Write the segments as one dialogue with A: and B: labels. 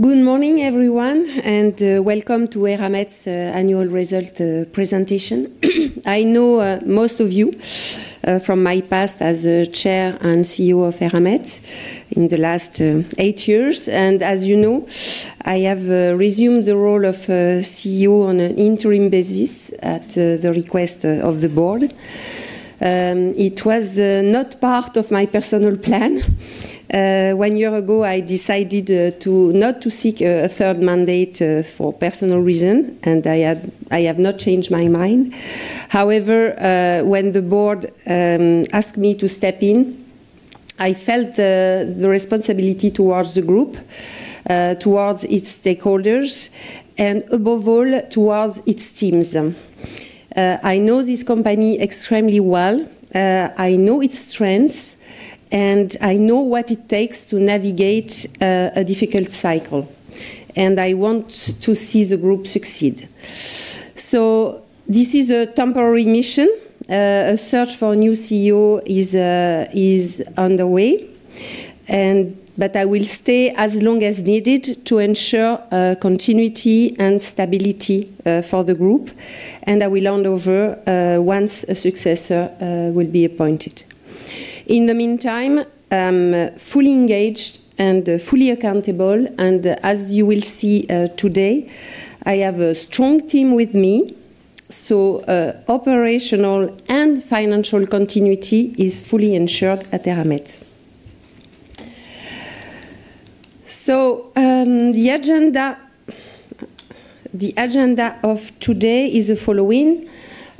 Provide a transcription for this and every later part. A: Good morning, everyone, and welcome to Eramet's annual result presentation. I know most of you from my past as Chair and CEO of Eramet in the last eight years, and as you know, I have resumed the role of CEO on an interim basis at the request of the board. It was not part of my personal plan. One year ago, I decided not to seek a third mandate for personal reason, and I have not changed my mind. However, when the board asked me to step in, I felt the responsibility towards the group, towards its stakeholders, and above all, towards its teams. I know this company extremely well. I know its strengths, and I know what it takes to navigate a difficult cycle, and I want to see the group succeed. This is a temporary mission. A search for a new CEO is underway, and I will stay as long as needed to ensure continuity and stability for the group, and I will hand over once a successor will be appointed. In the meantime, I'm fully engaged and fully accountable, and as you will see today, I have a strong team with me, so operational and financial continuity is fully ensured at Eramet. The agenda of today is the following.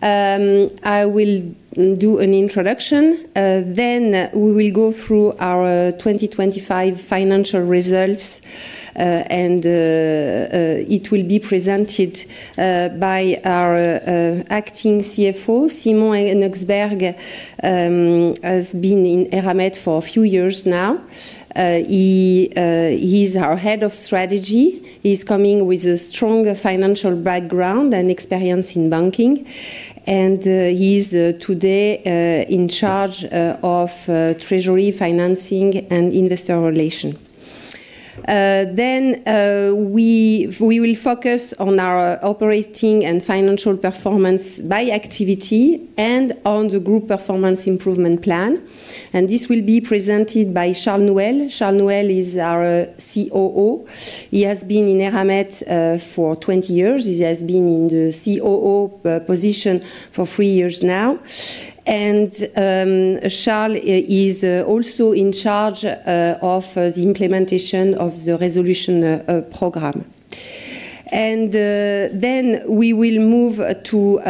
A: I will do an introduction, then we will go through our 2025 financial results, and it will be presented by our acting CFO. Simon Henochsberg has been in Eramet for a few years now. He's our Head of Strategy. He's coming with a strong financial background and experience in banking, and he's today in charge of treasury, financing, and investor relations. Then we will focus on our operating and financial performance by activity and on the group performance improvement plan, and this will be presented by Charles Nouel. Charles Nouel is our COO. He has been in Eramet for 20 years. He has been in the COO position for three years now. Charles is also in charge of the implementation of the ReSolution programme. Then we will move to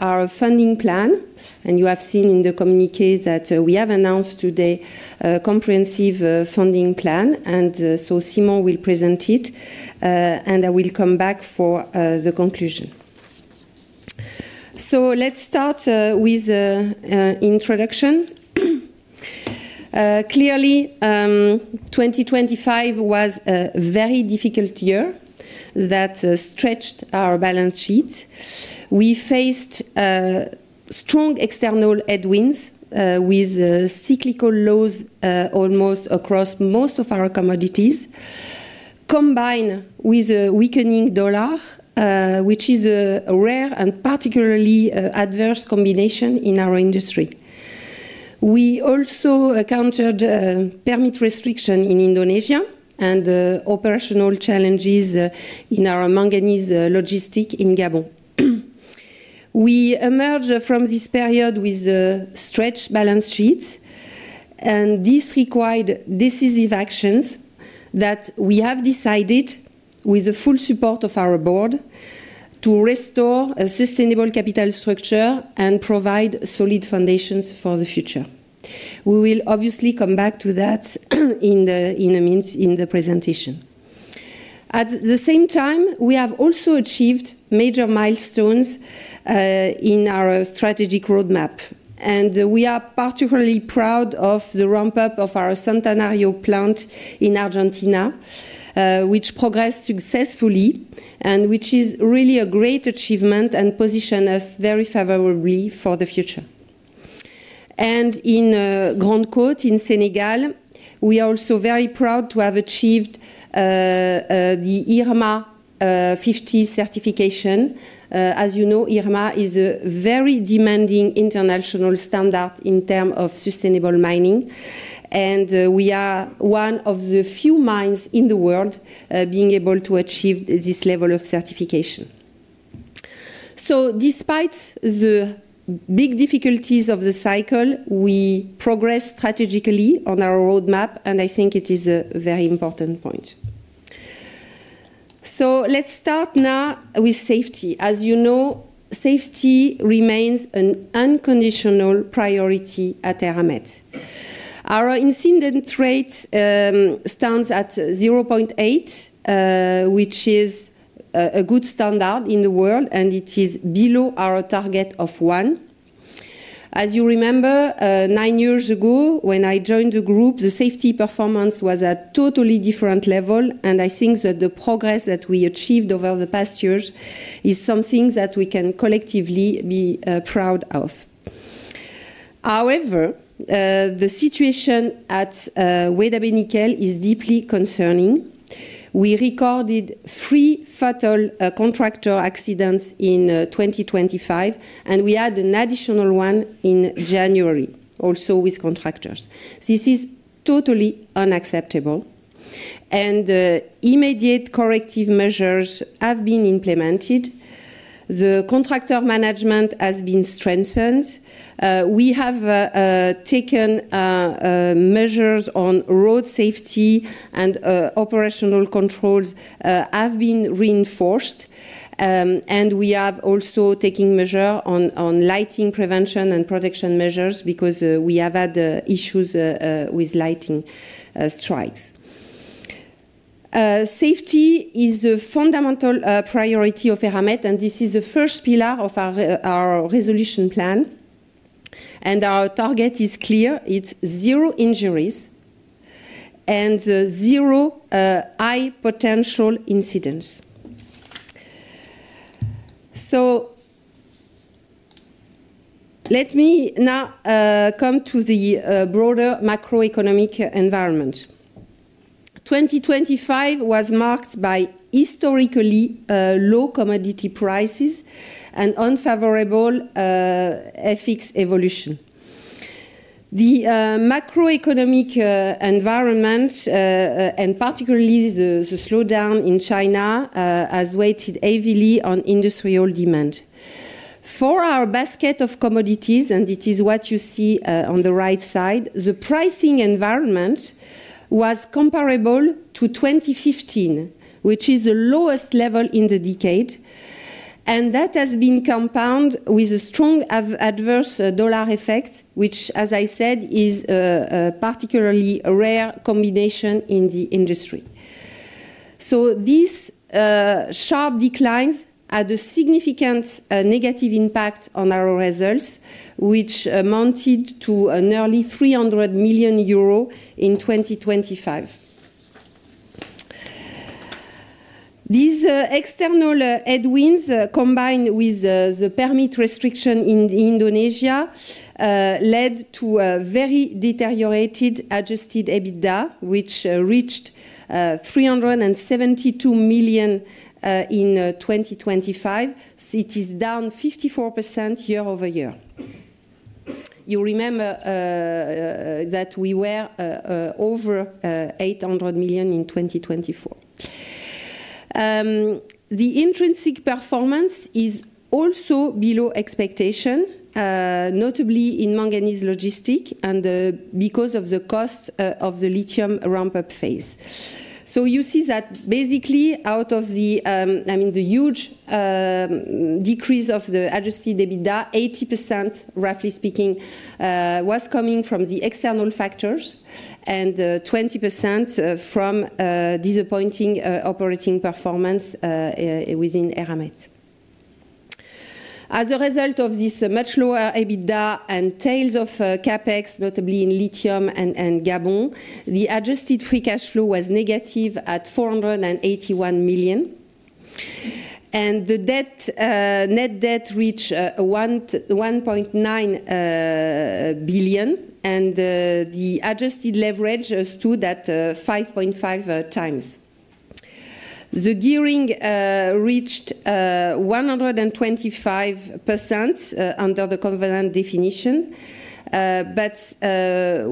A: our funding plan, and you have seen in the communiqué that we have announced today a comprehensive funding plan, and so Simon will present it, and I will come back for the conclusion. Let's start with introduction. Clearly, 2025 was a very difficult year that stretched our balance sheet. We faced strong external headwinds with cyclical lows almost across most of our commodities, combined with a weakening dollar, which is a rare and particularly adverse combination in our industry. We also encountered permit restriction in Indonesia and operational challenges in our manganese logistic in Gabon. We emerged from this period with stretched balance sheets, and this required decisive actions that we have decided, with the full support of our board, to restore a sustainable capital structure and provide solid foundations for the future. We will obviously come back to that in the presentation. At the same time, we have also achieved major milestones in our strategic roadmap, and we are particularly proud of the ramp-up of our Centenario plant in Argentina, which progressed successfully and which is really a great achievement and position us very favorably for the future. In Grande Côte, in Senegal, we are also very proud to have achieved the IRMA 50 certification. As you know, IRMA is a very demanding international standard in terms of sustainable mining, and we are one of the few mines in the world being able to achieve this level of certification. Despite the big difficulties of the cycle, we progress strategically on our roadmap, and I think it is a very important point. Let's start now with safety. As you know, safety remains an unconditional priority at Eramet. Our incident rate stands at 0.8, which is a good standard in the world, and it is below our target of 1. As you remember, nine years ago, when I joined the group, the safety performance was a totally different level, and I think that the progress that we achieved over the past years is something that we can collectively be proud of. However, the situation at Eramet Nickel is deeply concerning. We recorded three fatal contractor accidents in 2025, and we had an additional one in January, also with contractors. This is totally unacceptable, and immediate corrective measures have been implemented. The contractor management has been strengthened. We have taken measures on road safety and operational controls have been reinforced. We are also taking measure on lightning prevention and protection measures because we have had issues with lightning strikes. Safety is a fundamental priority of Eramet, and this is the first pillar of our resolution plan. And our target is clear: it's zero injuries and zero high potential incidents. So, let me now come to the broader macroeconomic environment. 2025 was marked by historically low commodity prices and unfavorable FX evolution. The macroeconomic environment and particularly the slowdown in China has weighed heavily on industrial demand for our basket of commodities, and it is what you see on the right side. The pricing environment was comparable to 2015, which is the lowest level in the decade, and that has been compounded with a strong adverse dollar effect, which, as I said, is a particularly rare combination in the industry. So these sharp declines had a significant negative impact on our results, which amounted to nearly 300 million euro in 2025. These external headwinds, combined with the permit restriction in Indonesia, led to a very deteriorated Adjusted EBITDA, which reached 372 million in 2025. It is down 54% year-over-year. You remember that we were over 800 million in 2024. The intrinsic performance is also below expectation, notably in manganese logistic and because of the cost of the lithium ramp-up phase. So you see that basically out of the, I mean, the huge decrease of the Adjusted EBITDA, 80%, roughly speaking, was coming from the external factors and 20% from disappointing operating performance within Eramet. As a result of this much lower EBITDA and tails of CapEx, notably in lithium and Gabon, the adjusted free cash flow was negative at 481 million. And the debt, net debt reached 1.1 billion, and the adjusted leverage stood at 5.5x. The gearing reached 125% under the covenant definition, but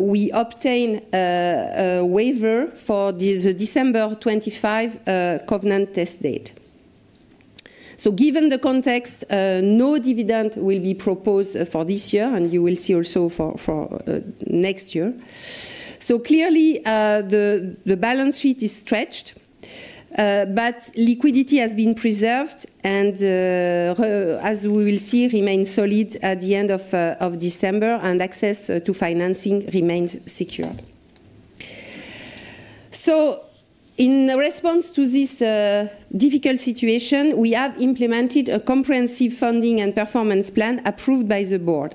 A: we obtained a waiver for the December 2025 covenant test date. So given the context, no dividend will be proposed for this year, and you will see also for next year. So clearly, the balance sheet is stretched, but liquidity has been preserved and, as we will see, remains solid at the end of December, and access to financing remains secure. So in response to this difficult situation, we have implemented a comprehensive funding and performance plan approved by the board.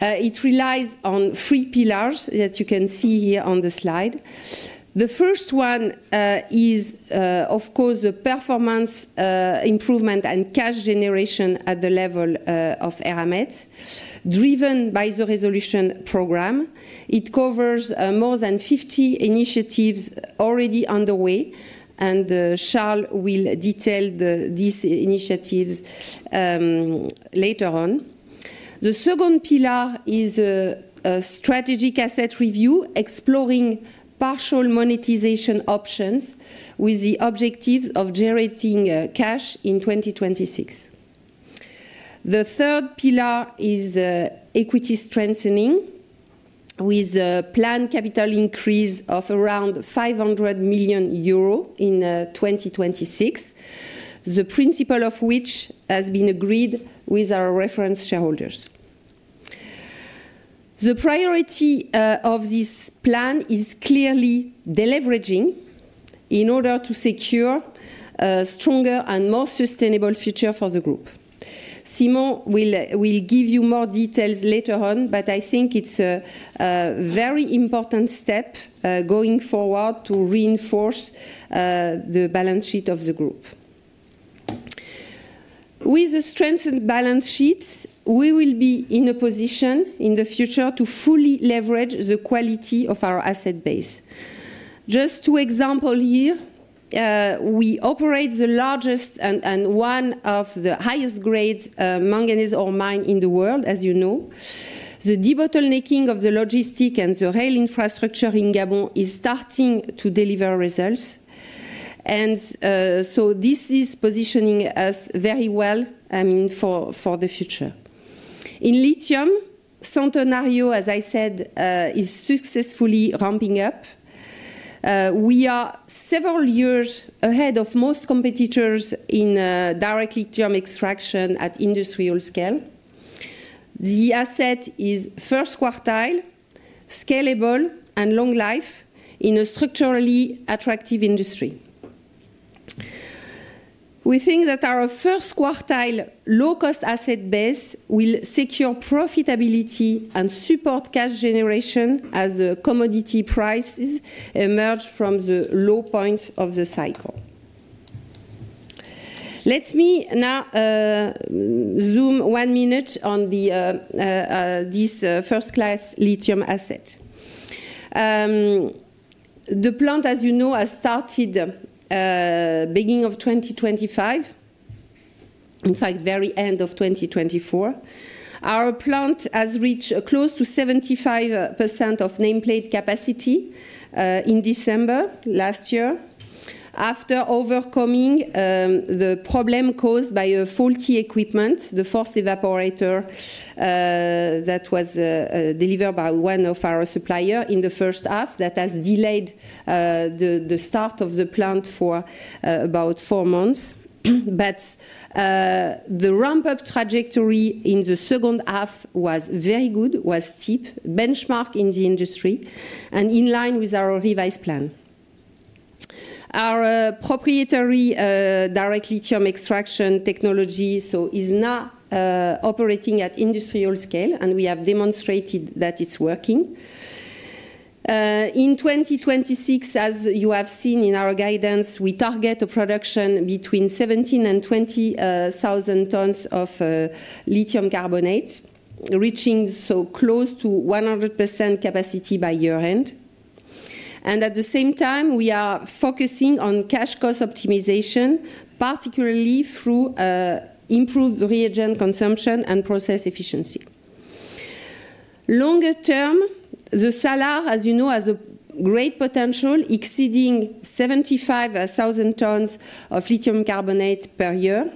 A: It relies on three pillars that you can see here on the slide. The first one is, of course, the performance improvement and cash generation at the level of Eramet, driven by the ReSolution programme. It covers more than 50 initiatives already underway, and Charles will detail these initiatives later on. The second pillar is a strategic asset review, exploring partial monetization options with the objective of generating cash in 2026. The third pillar is, equity strengthening, with a planned capital increase of around 500 million euro in, 2026, the principle of which has been agreed with our reference shareholders. The priority, of this plan is clearly deleveraging in order to secure a stronger and more sustainable future for the group. Simon will, will give you more details later on, but I think it's a, a very important step, going forward to reinforce, the balance sheet of the group. With the strengthened balance sheets, we will be in a position in the future to fully leverage the quality of our asset base. Just two example here, we operate the largest and, and one of the highest grades, manganese ore mine in the world, as you know. The debottlenecking of the logistic and the rail infrastructure in Gabon is starting to deliver results. So this is positioning us very well, I mean, for the future. In lithium, Centenario, as I said, is successfully ramping up. We are several years ahead of most competitors in direct lithium extraction at industrial scale. The asset is first quartile, scalable, and long life in a structurally attractive industry. We think that our first quartile low-cost asset base will secure profitability and support cash generation as the commodity prices emerge from the low points of the cycle. Let me now zoom one minute on this first-class lithium asset. The plant, as you know, has started beginning of 2025. In fact, very end of 2024. Our plant has reached close to 75% of nameplate capacity in December last year, after overcoming the problem caused by a faulty equipment, the first evaporator, that was delivered by one of our supplier in the first half. That has delayed the start of the plant for about four months. But the ramp-up trajectory in the second half was very good, was steep, benchmark in the industry, and in line with our revised plan. Our proprietary Direct Lithium Extraction technology so is now operating at industrial scale, and we have demonstrated that it's working. In 2026, as you have seen in our guidance, we target a production between 17,000 to 20,000 tonnes of lithium carbonate, reaching so close to 100% capacity by year-end. And at the same time, we are focusing on cash cost optimization, particularly through improved reagent consumption and process efficiency. Longer term, the Salar, as you know, has a great potential, exceeding 75,000 tonnes of lithium carbonate per year,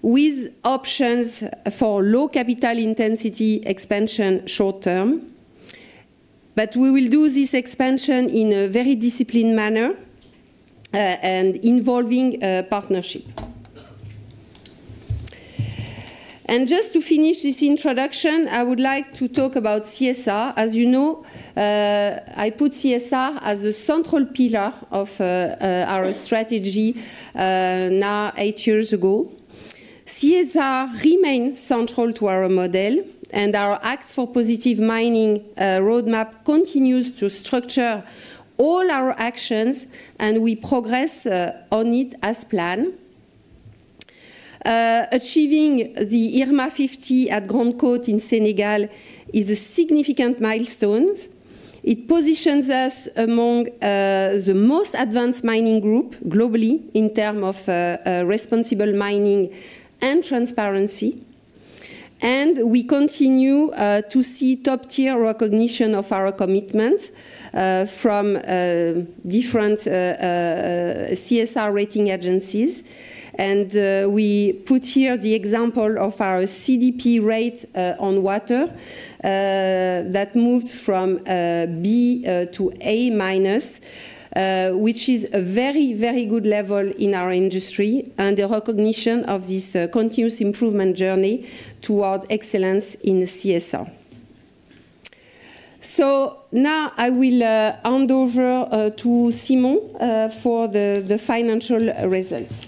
A: with options for low capital intensity expansion short term. But we will do this expansion in a very disciplined manner and involving a partnership. And just to finish this introduction, I would like to talk about CSR. As you know, I put CSR as a central pillar of our strategy now eight years ago. CSR remains central to our model, and our Act for Positive Mining Roadmap continues to structure all our actions, and we progress on it as planned. Achieving the IRMA 50 at Grande Côte in Senegal is a significant milestone. It positions us among the most advanced mining group globally in terms of responsible mining and transparency. We continue to see top-tier recognition of our commitment from different CSR rating agencies. We put here the example of our CDP rate on water that moved from B to A-, which is a very, very good level in our industry and a recognition of this continuous improvement journey towards excellence in CSR. Now I will hand over to Simon for the financial results.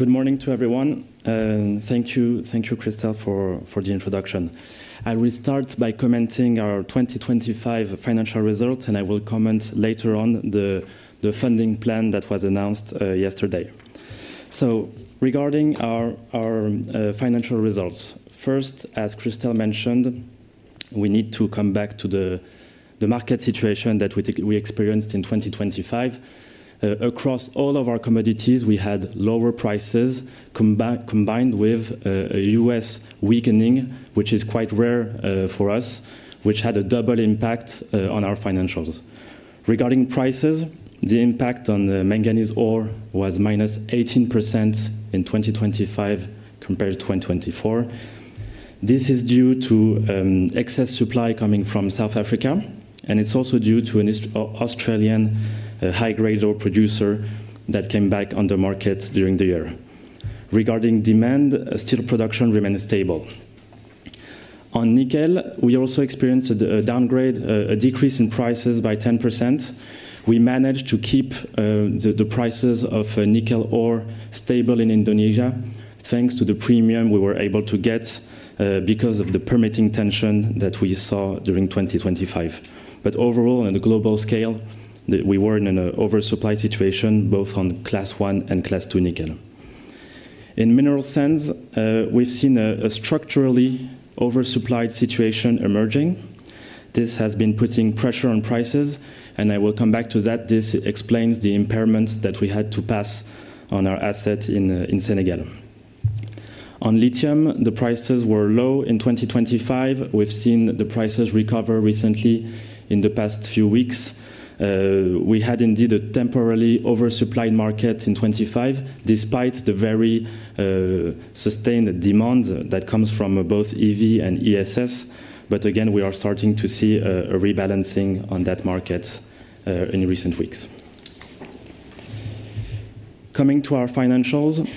B: Good morning to everyone, and thank you. Thank you, Christel, for the introduction. I will start by commenting our 2025 financial results, and I will comment later on the funding plan that was announced yesterday. So regarding our financial results, first, as Christel mentioned, we need to come back to the market situation that we experienced in 2025. Across all of our commodities, we had lower prices combined with a USD weakening, which is quite rare for us, which had a double impact on our financials. Regarding prices, the impact on the manganese ore was -18% in 2025 compared to 2024. This is due to excess supply coming from South Africa, and it's also due to an Australian high-grade ore producer that came back on the market during the year. Regarding demand, steel production remained stable. On nickel, we also experienced a downgrade, a decrease in prices by 10%. We managed to keep the prices of nickel ore stable in Indonesia, thanks to the premium we were able to get because of the permitting tension that we saw during 2025. But overall, on a global scale, we were in an oversupply situation, both on Class One and Class Two nickel. In mineral sands, we've seen a structurally oversupplied situation emerging. This has been putting pressure on prices, and I will come back to that. This explains the impairments that we had to pass on our asset in Senegal. On lithium, the prices were low in 2025. We've seen the prices recover recently in the past few weeks. We had indeed a temporarily oversupplied market in 2025, despite the very sustained demand that comes from both EV and ESS. But again, we are starting to see a rebalancing on that market in recent weeks. Coming to our financials,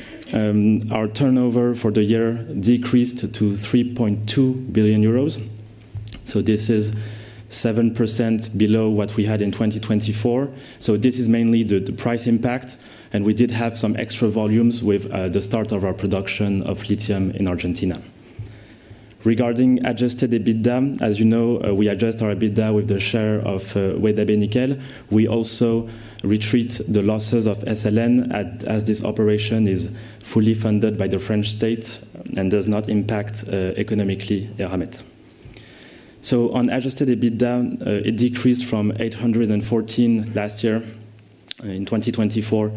B: our turnover for the year decreased to 3.2 billion euros, so this is 7% below what we had in 2024. So this is mainly the price impact, and we did have some extra volumes with the start of our production of lithium in Argentina. Regarding Adjusted EBITDA, as you know, we adjust our EBITDA with the share of Eramet Nickel. We also treat the losses of SLN as this operation is fully funded by the French state and does not impact economically Eramet. So on Adjusted EBITDA, it decreased from 814 million last year in 2024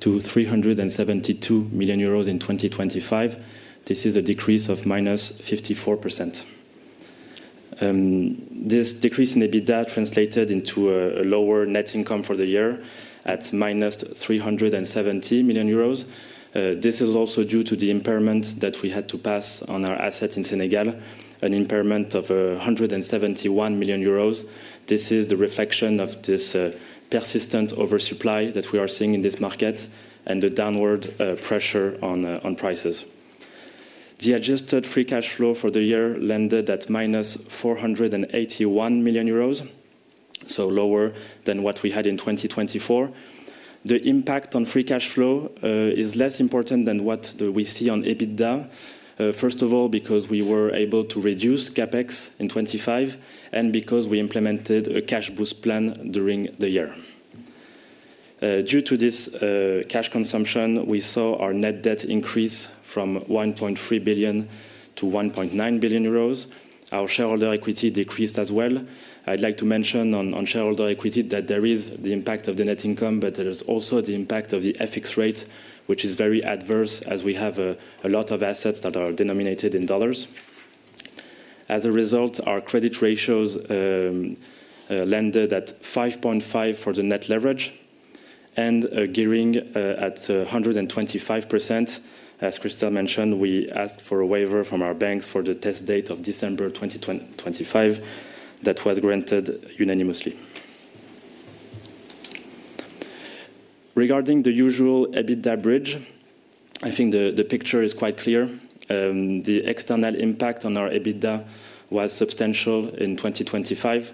B: to 372 million euros in 2025. This is a decrease of -54%. This decrease in EBITDA translated into a lower net income for the year at -370 million euros. This is also due to the impairment that we had to pass on our asset in Senegal, an impairment of 171 million euros. This is the reflection of this persistent oversupply that we are seeing in this market and the downward pressure on prices. The adjusted free cash flow for the year landed at -481 million euros, so lower than what we had in 2024. The impact on free cash flow is less important than what we see on EBITDA. First of all, because we were able to reduce CapEx in 2025 and because we implemented a cash boost plan during the year. Due to this cash consumption, we saw our net debt increase from 1.3 billion-1.9 billion euros. Our shareholder equity decreased as well. I'd like to mention on, on shareholder equity that there is the impact of the net income, but there is also the impact of the FX rate, which is very adverse, as we have a lot of assets that are denominated in dollars. As a result, our credit ratios landed at 5.5x for the net leverage and a gearing at 125%. As Christel mentioned, we asked for a waiver from our banks for the test date of December 2025. That was granted unanimously. Regarding the usual EBITDA bridge, I think the picture is quite clear. The external impact on our EBITDA was substantial in 2025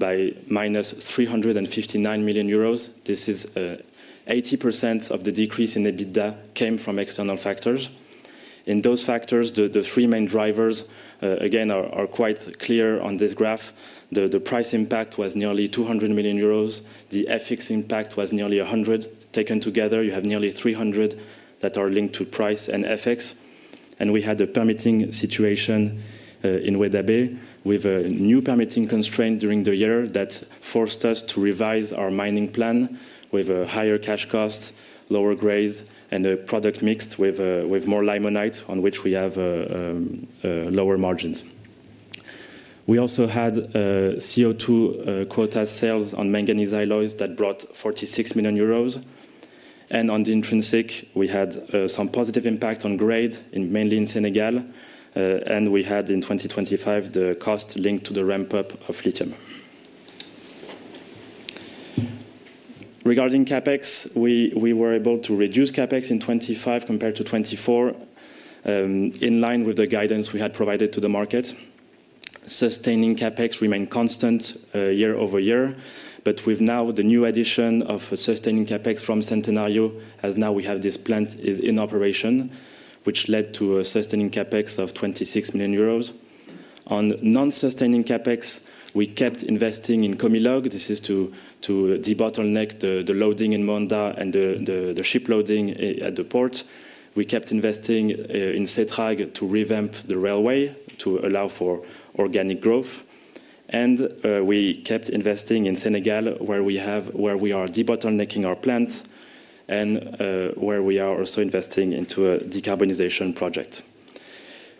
B: by -359 million euros. This is, 80% of the decrease in EBITDA came from external factors. In those factors, the three main drivers again are quite clear on this graph. The price impact was nearly 200 million euros. The FX impact was nearly 100. Taken together, you have nearly 300 that are linked to price and FX, and we had a permitting situation in Weda Bay, with a new permitting constraint during the year that forced us to revise our mining plan with a higher cash cost, lower grades, and a product mixed with more limonite, on which we have lower margins. We also had CO2 quota sales on manganese alloys that brought 46 million euros. And on the intrinsic, we had some positive impact on grade, mainly in Senegal, and we had in 2025, the cost linked to the ramp-up of lithium. Regarding CapEx, we were able to reduce CapEx in 2025 compared to 2024, in line with the guidance we had provided to the market. Sustaining CapEx remained constant year-over-year, but with now the new addition of sustaining CapEx from Centenario, as now we have this plant is in operation, which led to a sustaining CapEx of 26 million euros. On non-sustaining CapEx, we kept investing in Comilog. This is to debottleneck the loading in Moanda and the ship loading at the port. We kept investing in Setrag to revamp the railway, to allow for organic growth. And we kept investing in Senegal, where we are debottlenecking our plant and where we are also investing into a decarbonization project.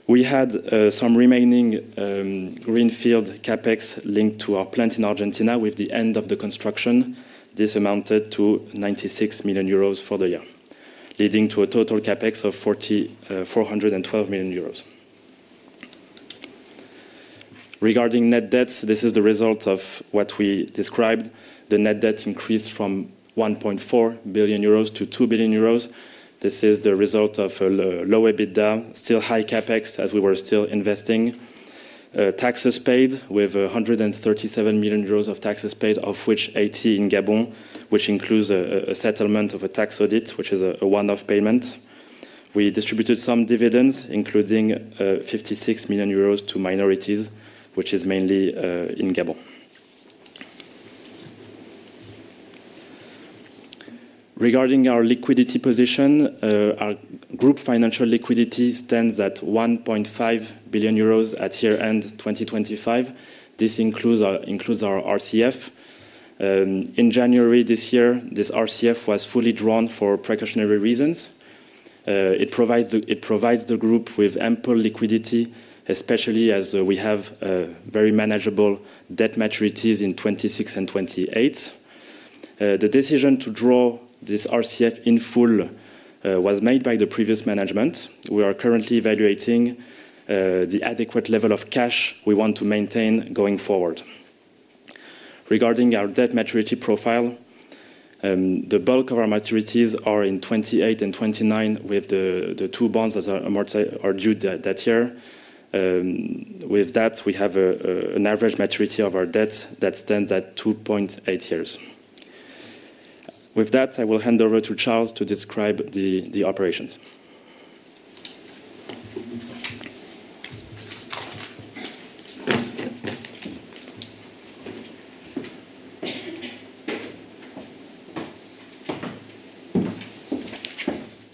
B: We had some remaining greenfield CapEx linked to our plant in Argentina, with the end of the construction. This amounted to 96 million euros for the year, leading to a total CapEx of 412 million euros. Regarding net debt, this is the result of what we described. The net debt increased from 1.4 billion-2 billion euros. This is the result of a low EBITDA, still high CapEx, as we were still investing. Taxes paid, we have 137 million euros of taxes paid, of which 80 million in Gabon, which includes a settlement of a tax audit, which is a one-off payment. We distributed some dividends, including, 56 million euros to minorities, which is mainly, in Gabon. Regarding our liquidity position, our group financial liquidity stands at 1.5 billion euros at year-end 2025. This includes our RCF. In January this year, this RCF was fully drawn for precautionary reasons. It provides the group with ample liquidity, especially as we have very manageable debt maturities in 2026 and 2028. The decision to draw this RCF in full was made by the previous management. We are currently evaluating the adequate level of cash we want to maintain going forward. Regarding our debt maturity profile, the bulk of our maturities are in 2028 and 2029, with the two bonds that are due that year. With that, we have an average maturity of our debt that stands at 2.8 years. With that, I will hand over to Charles to describe the operations.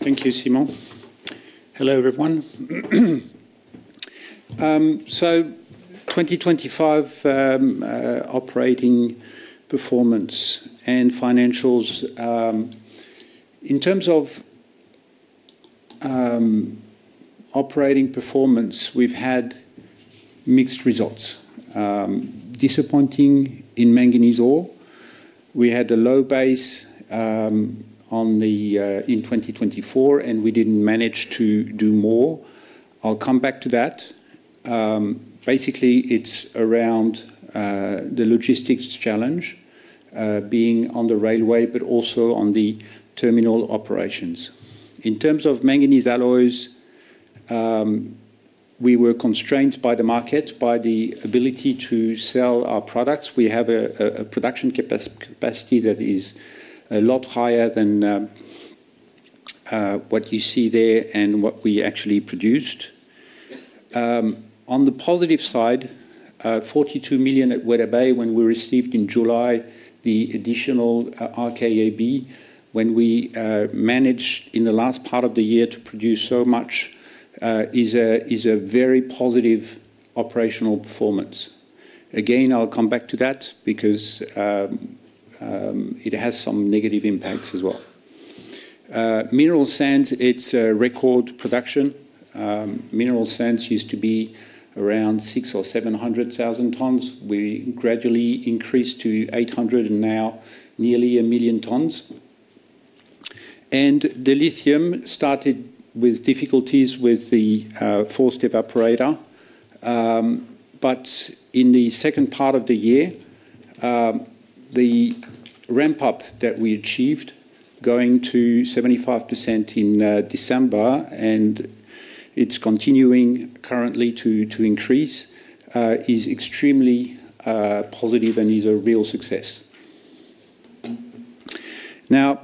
C: Thank you, Simon. Hello, everyone. So 2025 operating performance and financials. In terms of operating performance, we've had mixed results. Disappointing in manganese ore. We had a low base in 2024, and we didn't manage to do more. I'll come back to that. Basically, it's around the logistics challenge, being on the railway, but also on the terminal operations. In terms of manganese alloys, we were constrained by the market, by the ability to sell our products. We have a production capacity that is a lot higher than what you see there and what we actually produced. On the positive side, 42 million tonnes at Weda Bay, when we received in July the additional RKAB, when we managed in the last part of the year to produce so much is a very positive operational performance. Again, I'll come back to that because it has some negative impacts as well. Mineral sands, it's a record production. Mineral sands used to be around 600,000 or 700,000 tonnes. We gradually increased to 800 and now nearly 1 million tonnes. The lithium started with difficulties with the forced evaporator. But in the second part of the year, the ramp-up that we achieved, going to 75% in December, and it's continuing currently to increase is extremely positive and is a real success. Now,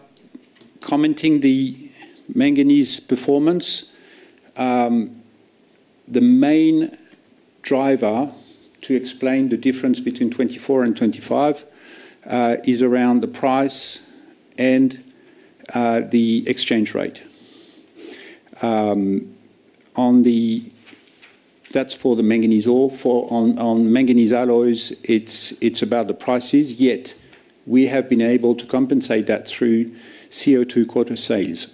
C: commenting the manganese performance, the main driver to explain the difference between 2024 and 2025 is around the price and the exchange rate. That's for the manganese ore. For on, on manganese alloys, it's about the prices, yet we have been able to compensate that through CO2 quota sales.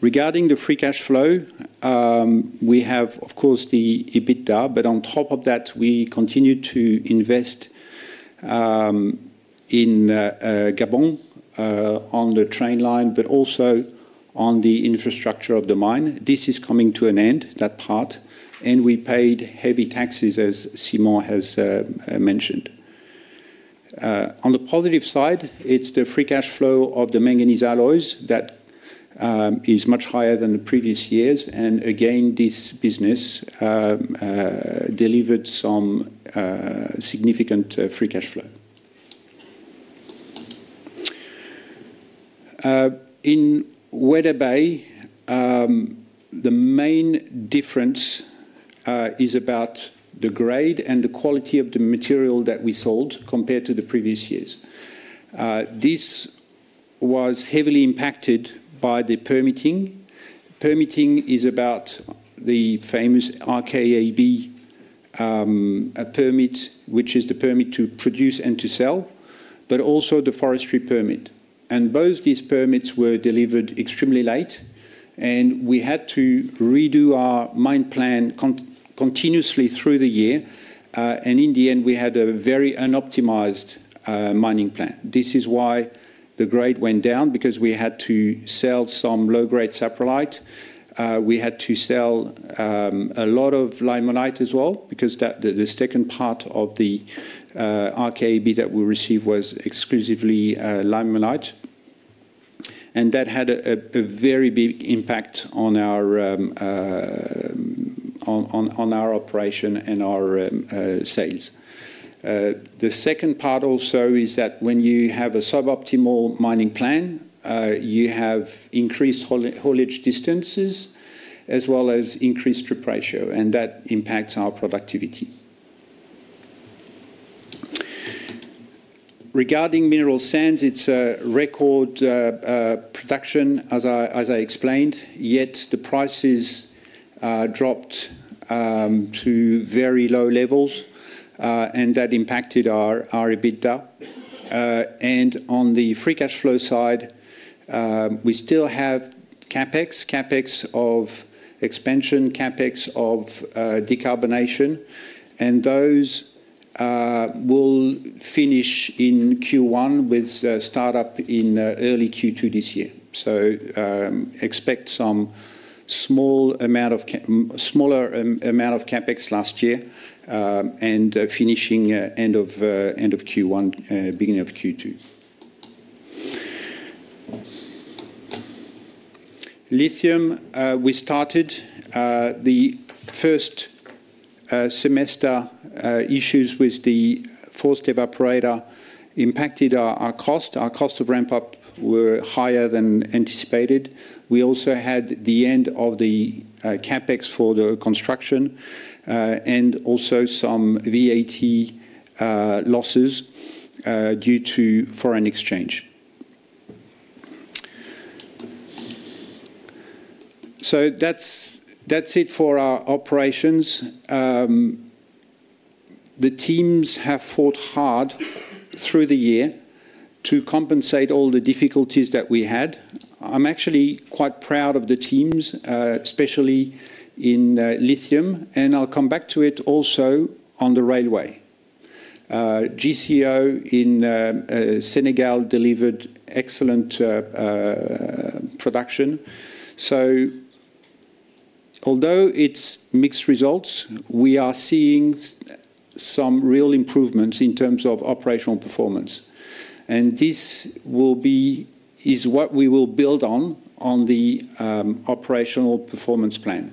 C: Regarding the free cash flow, we have, of course, the EBITDA, but on top of that, we continue to invest in Gabon, on the train line, but also on the infrastructure of the mine. This is coming to an end, that part, and we paid heavy taxes, as Simon has mentioned. On the positive side, it's the free cash flow of the manganese alloys that is much higher than the previous years, and again, this business delivered some significant free cash flow. In Weda Bay, the main difference is about the grade and the quality of the material that we sold compared to the previous years. This was heavily impacted by the permitting. Permitting is about the famous RKAB, a permit, which is the permit to produce and to sell, but also the forestry permit, and both these permits were delivered extremely late, and we had to redo our mine plan continuously through the year. And in the end, we had a very unoptimized mining plan. This is why the grade went down, because we had to sell some low-grade saprolite. We had to sell a lot of limonite as well, because that second part of the RKAB that we received was exclusively limonite, and that had a very big impact on our operation and our sales. The second part also is that when you have a suboptimal mining plan, you have increased haulage distances, as well as increased strip ratio, and that impacts our productivity. Regarding mineral sands, it's a record production, as I explained, yet the prices dropped to very low levels, and that impacted our EBITDA. And on the free cash flow side, we still have CapEx. CapEx of expansion, CapEx of decarbonation, and those will finish in Q1 with startup in early Q2 this year. So, expect some small amount of smaller amount of CapEx last year, and finishing end of end of Q1 beginning of Q2. Lithium, we started the first semester issues with the forced evaporator impacted our cost. Our cost of ramp-up were higher than anticipated. We also had the end of the CapEx for the construction, and also some VAT losses due to foreign exchange. So that's it for our operations. The teams have fought hard through the year to compensate all the difficulties that we had. I'm actually quite proud of the teams, especially in lithium, and I'll come back to it also on the railway. GCO in Senegal delivered excellent production. So although it's mixed results, we are seeing some real improvements in terms of operational performance, and this is what we will build on, on the operational performance plan.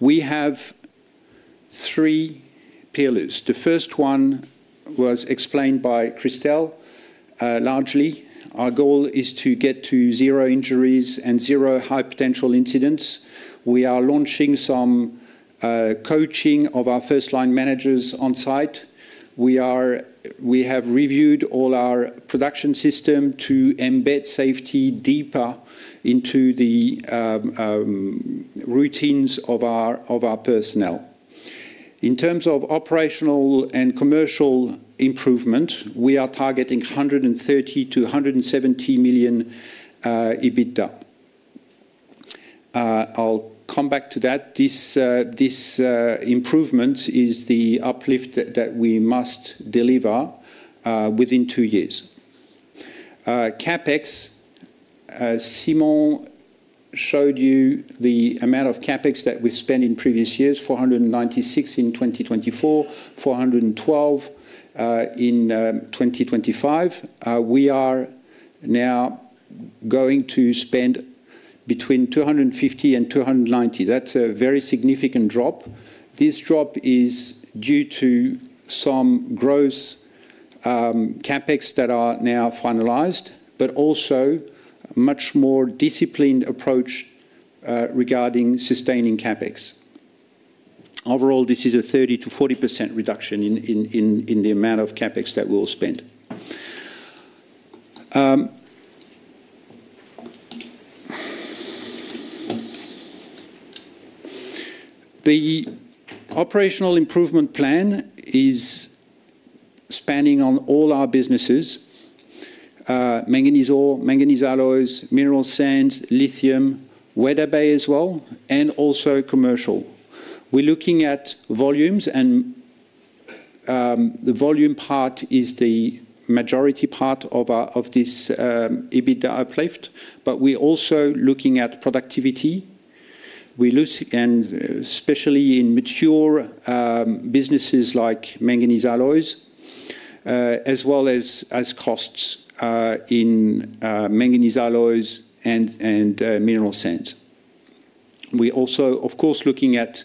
C: We have three pillars. The first one was explained by Christel. Largely, our goal is to get to zero injuries and zero high-potential incidents. We are launching some coaching of our first-line managers on site. We have reviewed all our production system to embed safety deeper into the routines of our personnel. In terms of operational and commercial improvement, we are targeting 130 million-170 million EBITDA. I'll come back to that. This improvement is the uplift that we must deliver within two years. CapEx, Simon showed you the amount of CapEx that we've spent in previous years, 496 million in 2024, 412 million in 2025. We are now going to spend between 250 million and 290 million. That's a very significant drop. This drop is due to some gross CapEx that are now finalized, but also a much more disciplined approach regarding sustaining CapEx. Overall, this is a 30%-40% reduction in the amount of CapEx that we'll spend. The operational improvement plan is spanning on all our businesses: manganese ore, manganese alloys, mineral sands, lithium, Weda Bay as well, and also commercial. We're looking at volumes and, the volume part is the majority part of, of this, EBITDA uplift, but we're also looking at productivity. We lose, and especially in mature, businesses like manganese alloys, as well as, as costs, in, manganese alloys and, and, mineral sands. We also, of course, looking at,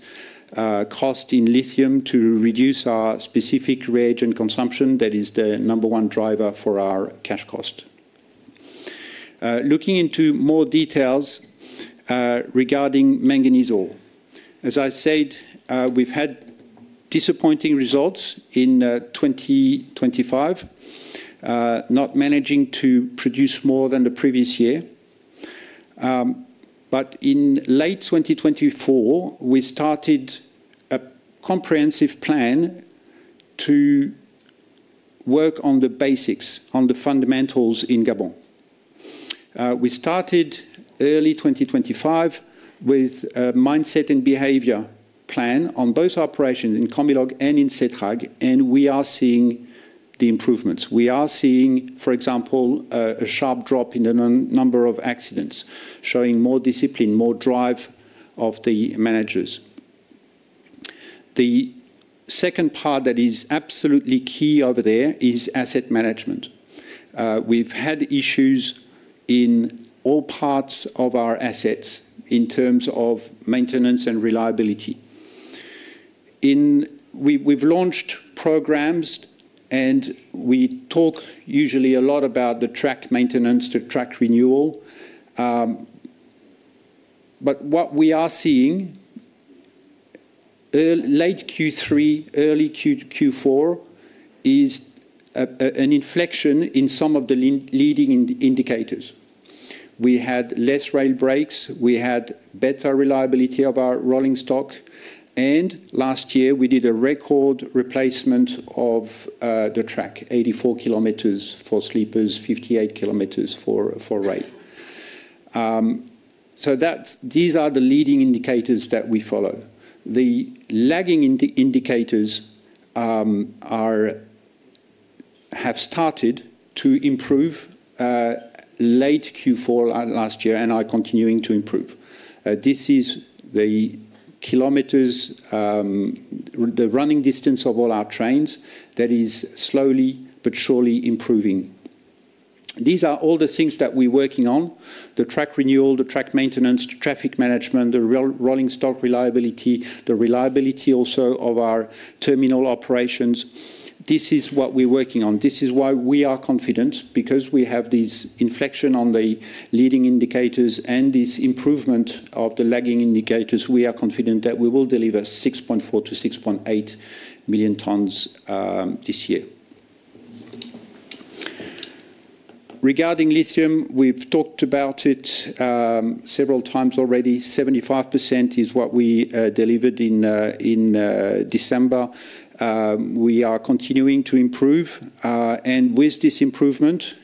C: cost in lithium to reduce our specific reagent consumption. That is the number one driver for our cash cost. Looking into more details, regarding manganese ore. As I said, we've had disappointing results in, 2025, not managing to produce more than the previous year. But in late 2024, we started a comprehensive plan to work on the basics, on the fundamentals in Gabon. We started early 2025 with a mindset and behavior plan on both operations in Comilog and in Setrag, and we are seeing the improvements. We are seeing, for example, a sharp drop in the number of accidents, showing more discipline, more drive of the managers. The second part that is absolutely key over there is asset management. We've had issues in all parts of our assets in terms of maintenance and reliability. We've launched programs, and we talk usually a lot about the track maintenance, the track renewal. But what we are seeing late Q3, early Q4, is an inflection in some of the leading indicators. We had less rail breaks, we had better reliability of our rolling stock, and last year, we did a record replacement of the track, 84 km for sleepers, 58 km for rail. So that's these are the leading indicators that we follow. The lagging indicators have started to improve late Q4 at last year and are continuing to improve. This is the km, the running distance of all our trains that is slowly but surely improving. These are all the things that we're working on: the track renewal, the track maintenance, the traffic management, the rolling stock reliability, the reliability also of our terminal operations. This is what we're working on. This is why we are confident, because we have this inflection on the leading indicators and this improvement of the lagging indicators, we are confident that we will deliver 6.4-6.8 million tonnes this year. Regarding lithium, we've talked about it several times already. 75% is what we delivered in December. We are continuing to improve, and with this improvement,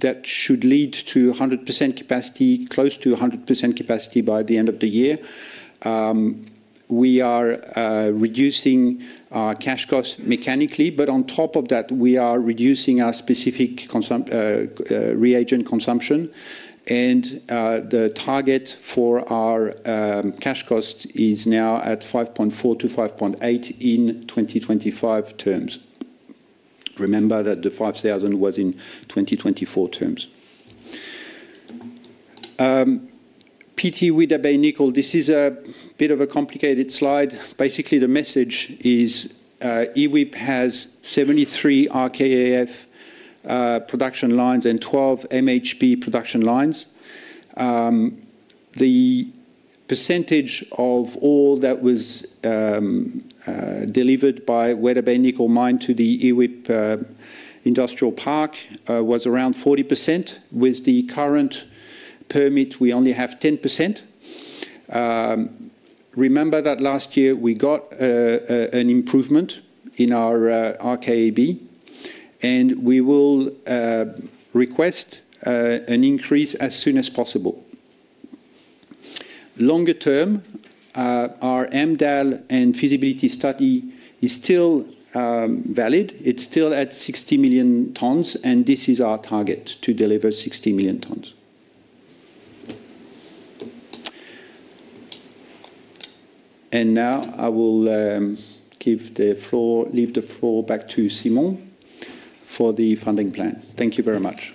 C: that should lead to 100% capacity, close to 100% capacity by the end of the year. We are reducing our cash costs mechanically, but on top of that, we are reducing our specific reagent consumption. And, the target for our cash cost is now at $5.4-$5.8 in 2025 terms. Remember that the 5,000 was in 2024 terms. PT Weda Bay Nickel, this is a bit of a complicated slide. Basically, the message is, IWIP has 73 RKEF production lines and 12 MHP production lines. The percentage of all that was delivered by Weda Bay Nickel mine to the IWIP Industrial Park was around 40%. With the current permit, we only have 10%. Remember that last year we got an improvement in our RKAB, and we will request an increase as soon as possible. Longer term, our AMDAL and Feasibility Study is still valid. It's still at 60 million tonnes, and this is our target, to deliver 60 million tonnes. And now I will give the floor back to Simon for the funding plan. Thank you very much.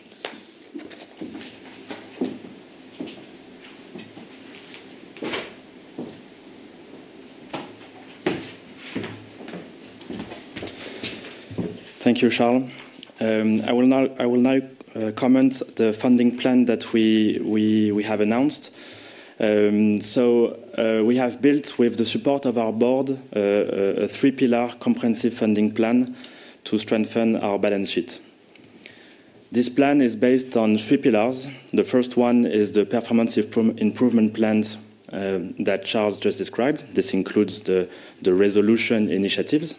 B: Thank you, Charles. I will now comment on the funding plan that we have announced. So, we have built, with the support of our Board, a three-pillar comprehensive funding plan to strengthen our balance sheet. This plan is based on three pillars. The first one is the performance improvement plans that Charles just described. This includes the resolution initiatives,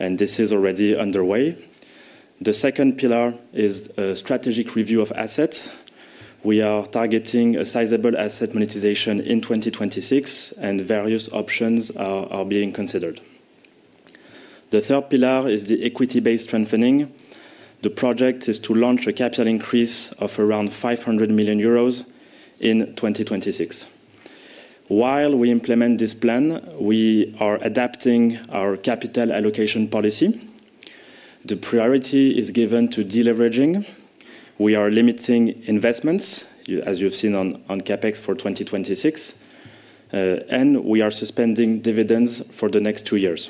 B: and this is already underway. The second pillar is a strategic review of assets. We are targeting a sizable asset monetization in 2026, and various options are being considered. The third pillar is the equity-based strengthening. The project is to launch a capital increase of around 500 million euros in 2026. While we implement this plan, we are adapting our capital allocation policy. The priority is given to deleveraging. We are limiting investments, as you've seen on, on CapEx for 2026, and we are suspending dividends for the next two years.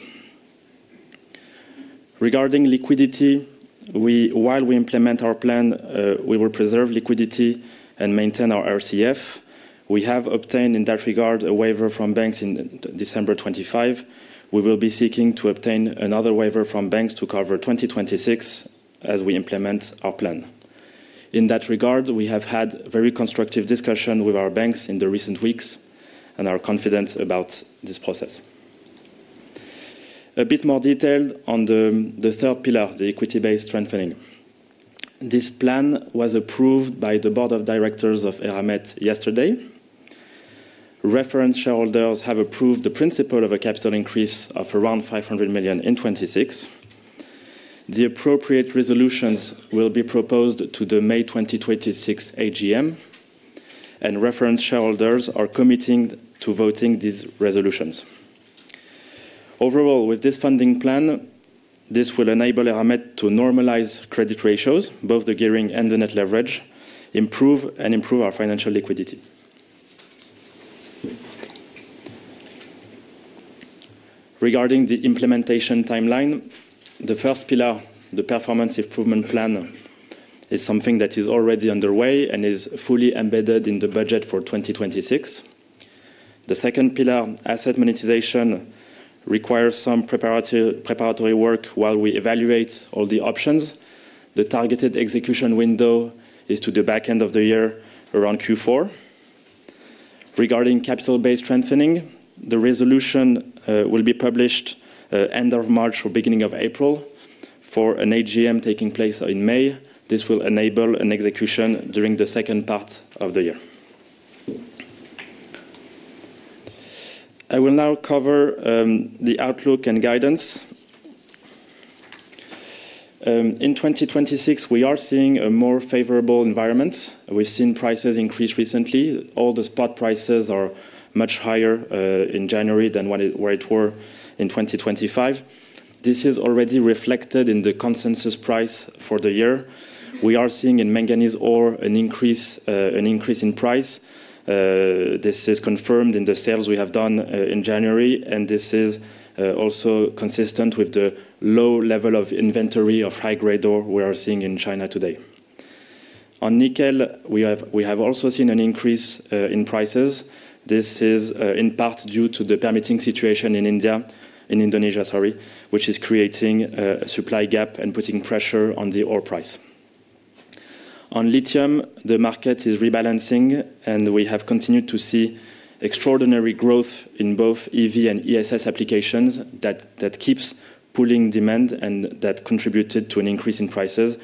B: Regarding liquidity, while we implement our plan, we will preserve liquidity and maintain our RCF. We have obtained, in that regard, a waiver from banks in December 2025. We will be seeking to obtain another waiver from banks to cover 2026 as we implement our plan. In that regard, we have had very constructive discussion with our banks in the recent weeks and are confident about this process. A bit more detail on the third pillar, the equity-based strengthening. This plan was approved by the board of directors of Eramet yesterday. Reference shareholders have approved the principle of a capital increase of around 500 million in 2026. The appropriate resolutions will be proposed to the May 2026 AGM, and reference shareholders are committing to voting these resolutions. Overall, with this funding plan, this will enable Eramet to normalize credit ratios, both the gearing and the net leverage, improve and improve our financial liquidity. Regarding the implementation timeline, the first pillar, the performance improvement plan, is something that is already underway and is fully embedded in the budget for 2026. The second pillar, asset monetization, requires some preparatory work while we evaluate all the options. The targeted execution window is to the back end of the year around Q4. Regarding capital-based strengthening, the resolution will be published end of March or beginning of April. For an AGM taking place in May, this will enable an execution during the second part of the year. I will now cover the outlook and guidance. In 2026, we are seeing a more favorable environment. We've seen prices increase recently. All the spot prices are much higher, in January than where it were in 2025. This is already reflected in the consensus price for the year. We are seeing in manganese ore an increase, an increase in price. This is confirmed in the sales we have done, in January, and this is, also consistent with the low level of inventory of high-grade ore we are seeing in China today. On nickel, we have, we have also seen an increase, in prices. This is, in part due to the permitting situation in India, in Indonesia, sorry, which is creating a supply gap and putting pressure on the ore price. On lithium, the market is rebalancing, and we have continued to see extraordinary growth in both EV and ESS applications that keeps pulling demand and that contributed to an increase in prices.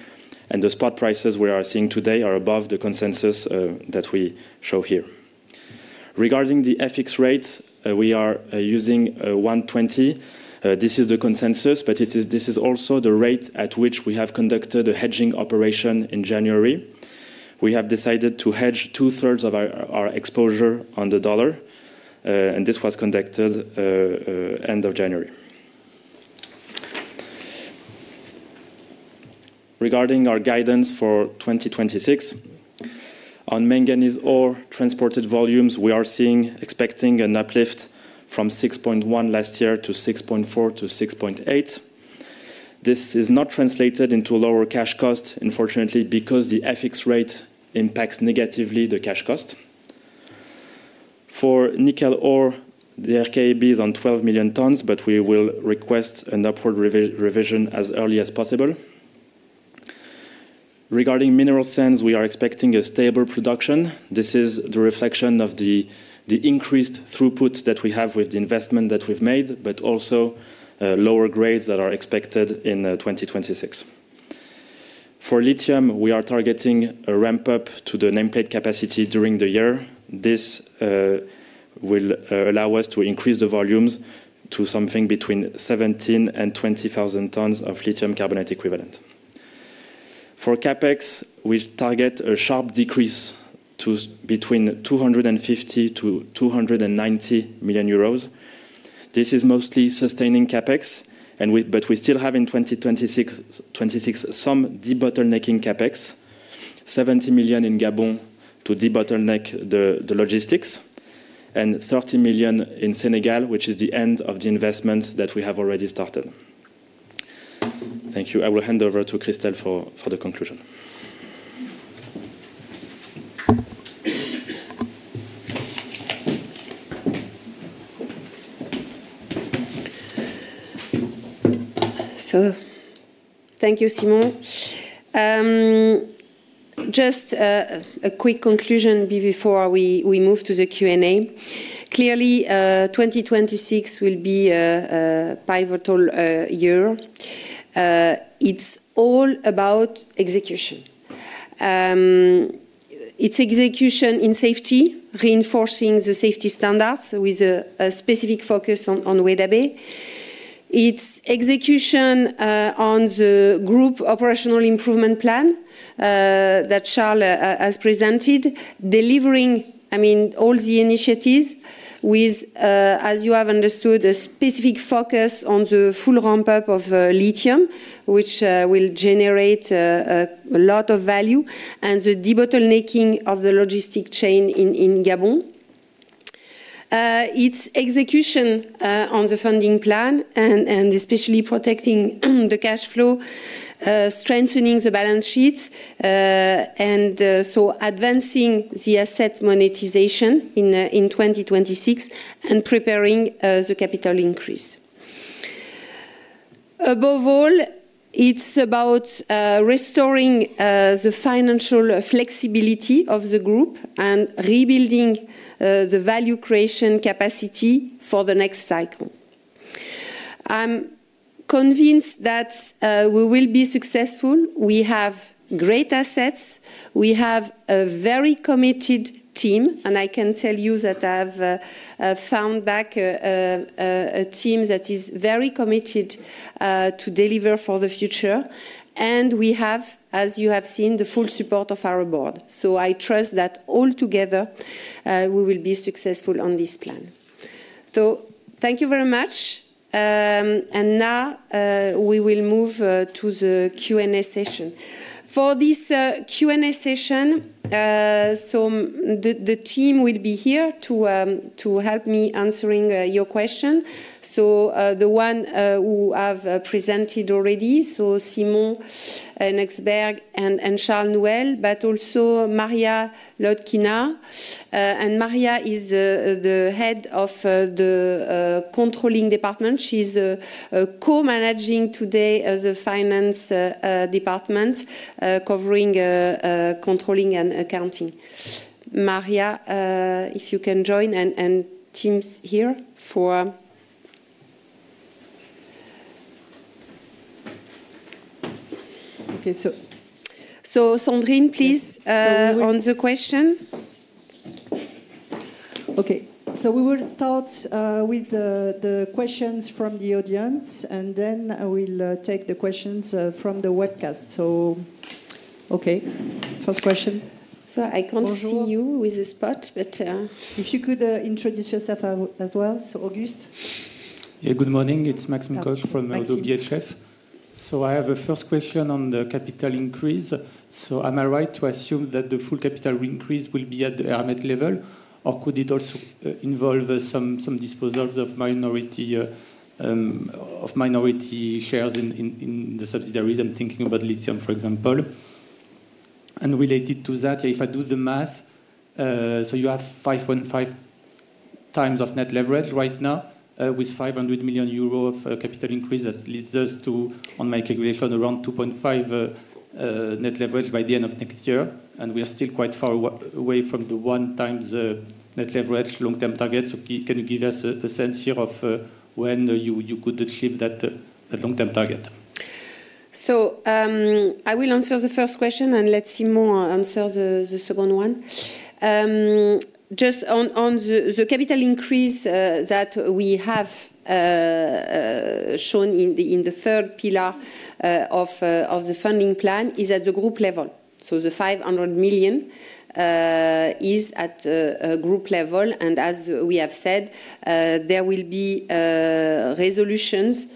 B: And the spot prices we are seeing today are above the consensus that we show here. Regarding the FX rate, we are using 1.20. This is the consensus, but this is also the rate at which we have conducted a hedging operation in January. We have decided to hedge 2/3 of our exposure on the dollar, and this was conducted end of January. Regarding our guidance for 2026, on manganese ore transported volumes, we expect an uplift from 6.1 last year to 6.4-6.8. This is not translated into lower cash cost, unfortunately, because the FX rate impacts negatively the cash cost. For nickel ore, the RKAB is on 12 million tonnes, but we will request an upward revision as early as possible. Regarding mineral sands, we are expecting a stable production. This is the reflection of the, the increased throughput that we have with the investment that we've made, but also, lower grades that are expected in 2026. For lithium, we are targeting a ramp-up to the nameplate capacity during the year. This will allow us to increase the volumes to something between 17,000 and 20,000 tonnes of lithium carbonate equivalent. For CapEx, we target a sharp decrease to between 250 million and 290 million euros. This is mostly sustaining CapEx, and we but we still have in 2026 some debottlenecking CapEx: 70 million in Gabon to debottleneck the logistics, and 30 million in Senegal, which is the end of the investment that we have already started. Thank you. I will hand over to Christel for the conclusion.
A: Thank you, Simon. Just a quick conclusion before we move to the Q&A. Clearly, 2026 will be a pivotal year. It's all about execution. It's execution in safety, reinforcing the safety standards with a specific focus on Weda Bay. It's execution on the group operational improvement plan that Charles has presented, delivering, I mean, all the initiatives with, as you have understood, a specific focus on the full ramp-up of lithium, which will generate a lot of value, and the debottlenecking of the logistic chain in Gabon. It's execution on the funding plan and especially protecting the cash flow, strengthening the balance sheets, and so advancing the asset monetization in 2026, and preparing the capital increase. Above all, it's about restoring the financial flexibility of the group and rebuilding the value creation capacity for the next cycle. I'm convinced that we will be successful. We have great assets, we have a very committed team, and I can tell you that I've found back a team that is very committed to deliver for the future. And we have, as you have seen, the full support of our board. So I trust that altogether we will be successful on this plan. So thank you very much. And now we will move to the Q&A session. For this Q&A session, so the team will be here to help me answering your question. So, the one who I've presented already, so Simon Henochsberg and Charles Nouel, but also Maria Lotkina. And Maria is the head of the controlling department. She's co-managing the finance department covering controlling and accounting. Maria, if you can join on Teams here for—okay, so Sandrine, please, on the question.
D: Okay. So we will start with the questions from the audience, and then I will take the questions from the webcast. So okay, first question.
A: So I can't see you with the spot, but—
D: If you could, introduce yourself as well. So, August?
E: Yeah. Good morning. It's Max Kogge from ODDO BHF.
D: Maxime.
E: So I have a first question on the capital increase. So am I right to assume that the full capital increase will be at the Eramet level, or could it also involve some disposals of minority shares in the subsidiaries? I'm thinking about lithium, for example. And related to that, if I do the math, so you have 5.5x net leverage right now, with 500 million euro of capital increase, that leads us to, on my calculation, around 2.5x net leverage by the end of next year, and we are still quite far away from the 1x net leverage long-term target. So can you give us a sense here of when you could achieve that long-term target?
A: So, I will answer the first question, and let Simon answer the second one. Just on the capital increase that we have shown in the third pillar of the funding plan is at the group level. So the 500 million is at a group level, and as we have said, there will be resolutions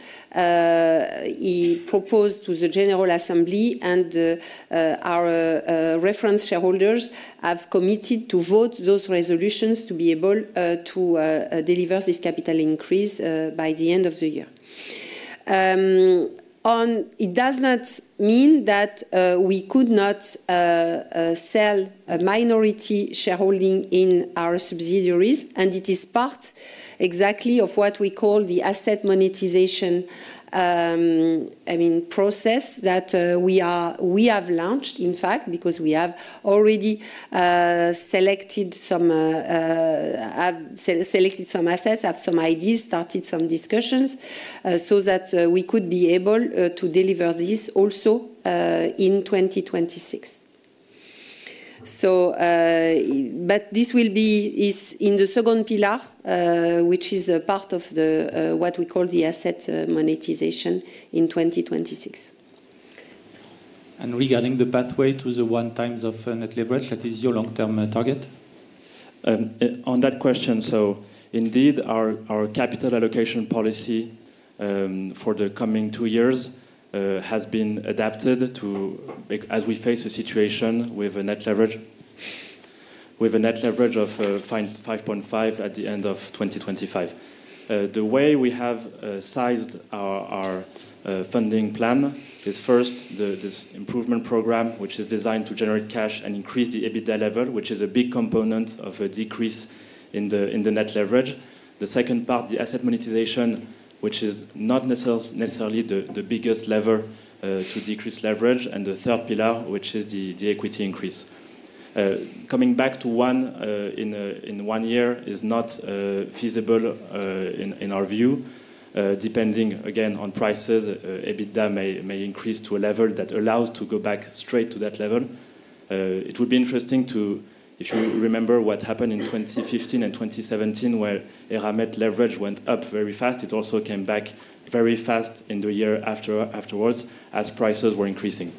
A: he proposed to the General Assembly, and our reference shareholders have committed to vote those resolutions to be able to deliver this capital increase by the end of the year. It does not mean that we could not sell a minority shareholding in our subsidiaries, and it is part exactly of what we call the asset monetization, I mean, process that we have launched, in fact, because we have already selected some assets, have some ideas, started some discussions, so that we could be able to deliver this also in 2026. So, but this will be, is in the second pillar, which is a part of the what we call the asset monetization in 2026.
E: Regarding the pathway to the 1x net leverage, that is your long-term target?
B: On that question, so indeed, our capital allocation policy for the coming two years has been adapted to—as we face a situation with a net leverage, with a net leverage of 5.5x at the end of 2025. The way we have sized our funding plan is first, this improvement program, which is designed to generate cash and increase the EBITDA level, which is a big component of a decrease in the net leverage. The second part, the asset monetization, which is not necessarily the biggest lever to decrease leverage, and the third pillar, which is the equity increase. Coming back to 1x in one year is not feasible in our view. Depending, again, on prices, EBITDA may increase to a level that allows to go back straight to that level. It would be interesting to, if you remember what happened in 2015 and 2017, where Eramet leverage went up very fast. It also came back very fast in the year after, afterwards, as prices were increasing.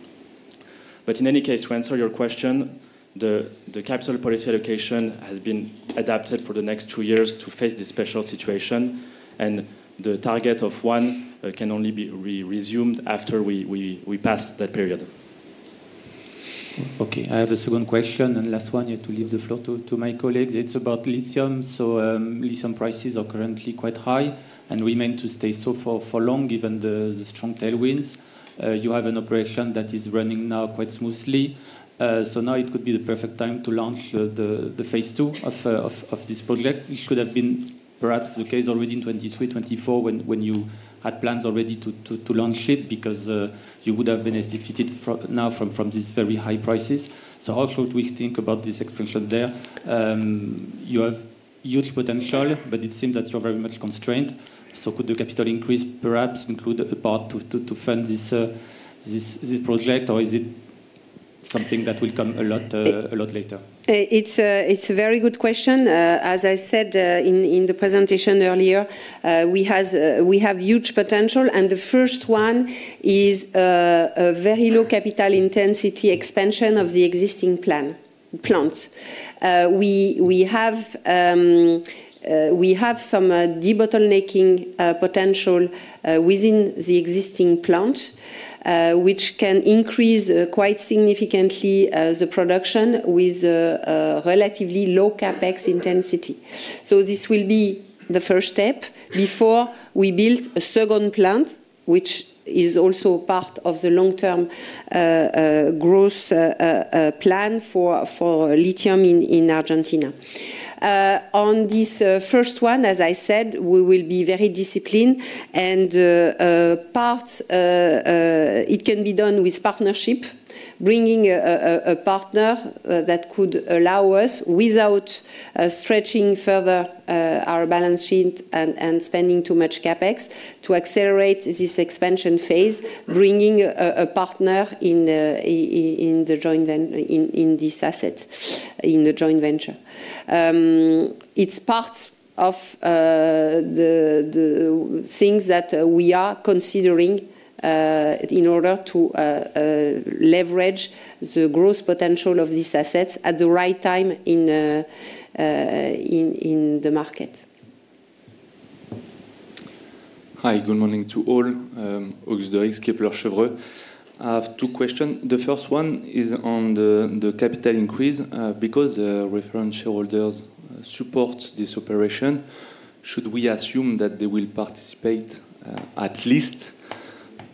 B: But in any case, to answer your question, the capital policy allocation has been adapted for the next two years to face this special situation, and the target of one can only be re-resumed after we pass that period.
E: Okay, I have a second question, and last one, you have to leave the floor to my colleagues. It's about lithium. So, lithium prices are currently quite high and we mean to stay so for long, given the strong tailwinds. You have an operation that is running now quite smoothly. So now it could be the perfect time to launch the phase two of this project. It should have been perhaps the case already in 2023, 2024, when you had plans already to launch it, because you would have benefited from now from these very high prices. So how should we think about this expansion there? You have huge potential, but it seems that you're very much constrained. Could the capital increase perhaps include a part to fund this project? Or is it something that will come a lot later?
A: It's a very good question. As I said, in the presentation earlier, we have huge potential, and the first one is a very low capital intensity expansion of the existing plant. We have some debottlenecking potential within the existing plant, which can increase quite significantly the production with a relatively low CapEx intensity. So this will be the first step before we build a second plant, which is also part of the long-term growth plan for lithium in Argentina. On this first one, as I said, we will be very disciplined, and it can be done with partnership, bringing a partner that could allow us, without stretching further our balance sheet and spending too much CapEx, to accelerate this expansion phase, bringing a partner in this asset, in the joint venture. It's part of the things that we are considering in order to leverage the growth potential of these assets at the right time in the market.
F: Hi, good morning to all. Auguste Deryckx, Kepler Cheuvreux. I have two questions. The first one is on the capital increase. Because the reference shareholders support this operation, should we assume that they will participate at least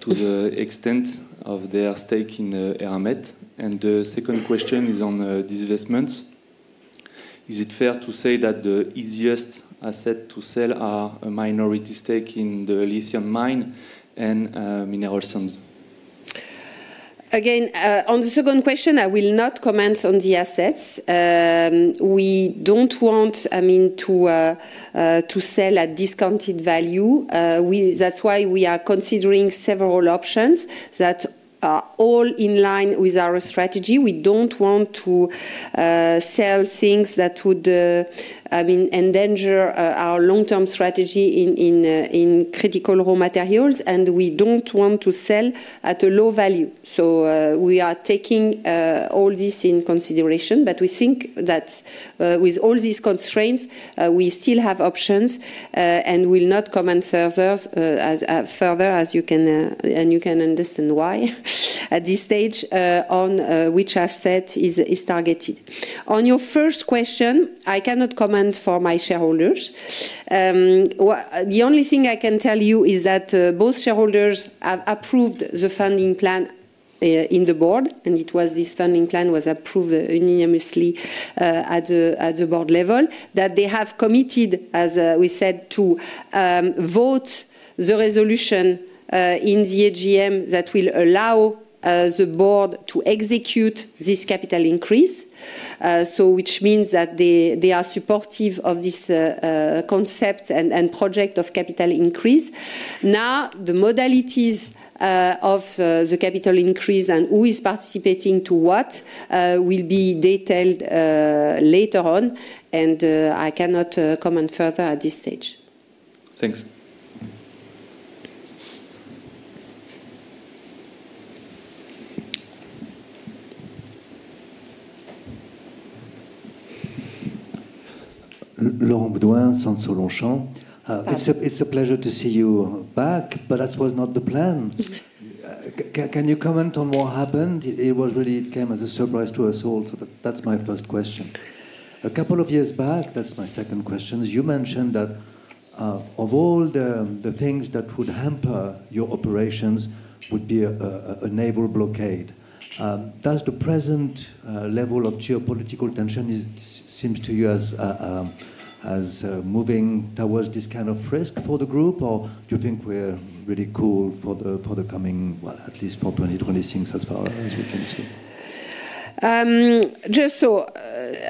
F: to the extent of their stake in Eramet? And the second question is on divestments. Is it fair to say that the easiest asset to sell are a minority stake in the lithium mine and mineral sands?
A: Again, on the second question, I will not comment on the assets. We don't want, I mean, to sell at discounted value. That's why we are considering several options that are all in line with our strategy. We don't want to sell things that would, I mean, endanger our long-term strategy in, in critical raw materials, and we don't want to sell at a low value. So, we are taking all this in consideration, but we think that, with all these constraints, we still have options, and will not comment further, as further, as you can, and you can understand why, at this stage, on which asset is targeted. On your first question, I cannot comment for my shareholders. The only thing I can tell you is that both shareholders have approved the funding plan in the board, and it was this funding plan was approved unanimously at the board level. That they have committed, as we said, to vote the resolution in the AGM that will allow the board to execute this capital increase. So which means that they are supportive of this concept and project of capital increase. Now, the modalities of the capital increase and who is participating to what will be detailed later on, and I cannot comment further at this stage.
F: Thanks.
G: Laurent Boudouin, Sanso Longchamp.
A: Hi.
G: It's a pleasure to see you back, but that was not the plan. Can you comment on what happened? It was really, it came as a surprise to us all. So that's my first question. A couple of years back, that's my second question, you mentioned that of all the things that would hamper your operations would be a neighbor blockade. Does the present level of geopolitical tension seem to you as moving towards this kind of risk for the group? Or do you think we're really cool for the coming, well, at least for 2026, as far as we can see?
A: Just so,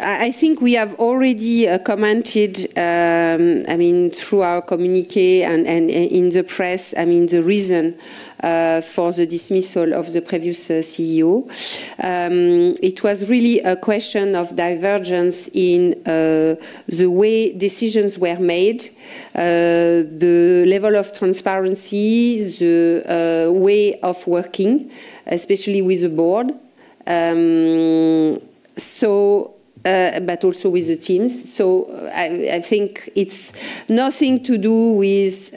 A: I think we have already commented, I mean, through our communique and, and in the press, I mean, the reason for the dismissal of the previous CEO. It was really a question of divergence in the way decisions were made. The level of transparency, the way of working, especially with the board, but also with the teams. So I think it's nothing to do with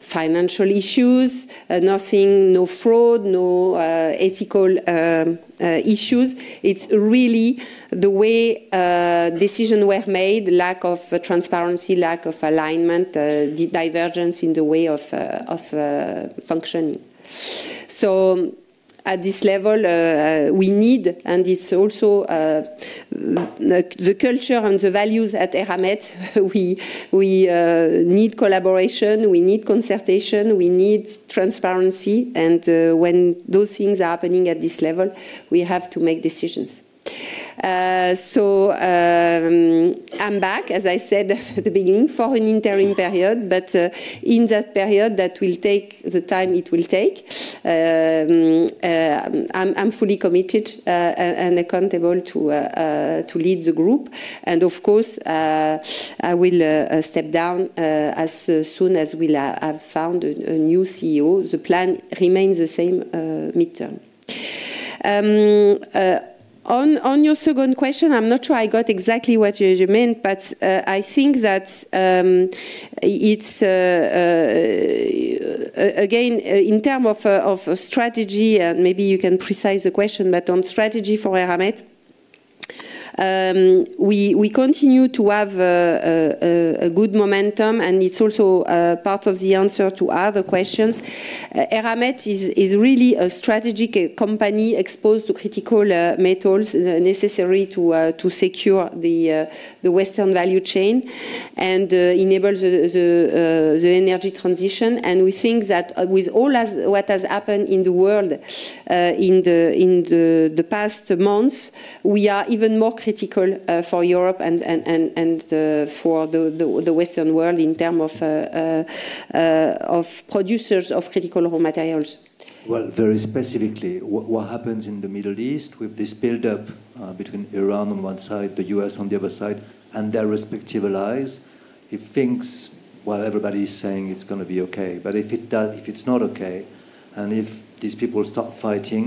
A: financial issues, nothing, no fraud, no ethical issues. It's really the way decisions were made, lack of transparency, lack of alignment, divergence in the way of functioning. So at this level, we need, and it's also, like the culture and the values at Eramet, we need collaboration, we need consultation, we need transparency, and when those things are happening at this level, we have to make decisions. So, I'm back, as I said at the beginning, for an interim period, but in that period, that will take the time it will take. I'm fully committed and accountable to lead the group. And of course, I will step down as soon as we'll have found a new CEO. The plan remains the same, midterm. On your second question, I'm not sure I got exactly what you meant, but I think that it's again in term of strategy, and maybe you can precise the question, but on strategy for Eramet, we continue to have a good momentum, and it's also part of the answer to other questions. Eramet is really a strategic company exposed to critical metals necessary to secure the Western value chain and enable the energy transition. And we think that with what has happened in the world in the past months, we are even more critical for Europe and for the Western world in terms of producers of critical raw materials.
G: Well, very specifically, what happens in the Middle East with this build-up between Iran on one side, the U.S. on the other side, and their respective allies? It thinks, well, everybody is saying it's gonna be okay. But if it does, if it's not okay, and if these people start fighting,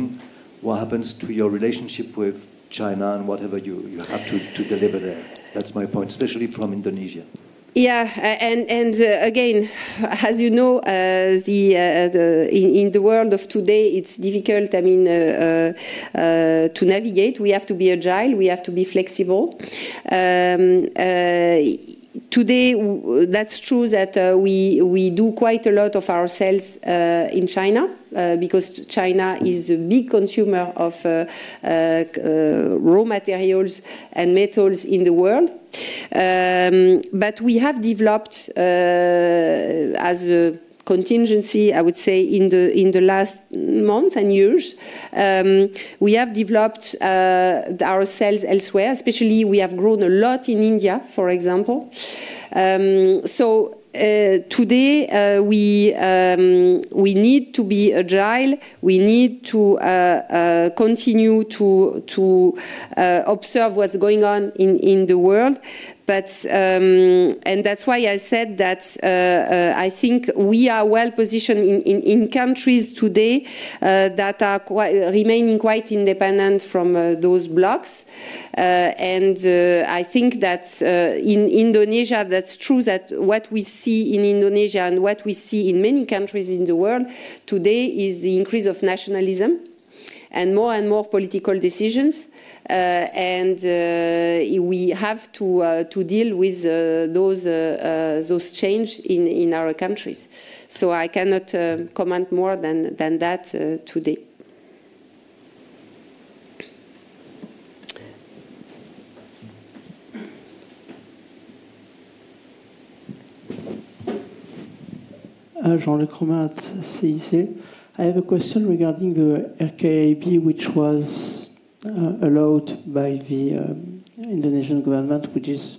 G: what happens to your relationship with China and whatever you have to deliver there? That's my point, especially from Indonesia.
A: Yeah. And, again, as you know, in the world of today, it's difficult, I mean, to navigate. We have to be agile. We have to be flexible. Today, that's true that we do quite a lot of our sales in China because China is a big consumer of raw materials and metals in the world. But we have developed, as a contingency, I would say, in the last months and years, we have developed our sales elsewhere, especially we have grown a lot in India, for example. So, today, we need to be agile. We need to continue to observe what's going on in the world. And that's why I said that, I think we are well positioned in countries today that are remaining quite independent from those blocks. And I think that in Indonesia, that's true that what we see in Indonesia and what we see in many countries in the world today is the increase of nationalism and more and more political decisions. And we have to deal with those changes in our countries, so I cannot comment more than that today.
H: Jean-Luc Romain, CIC. I have a question regarding the RKAB, which was allowed by the Indonesian government, which is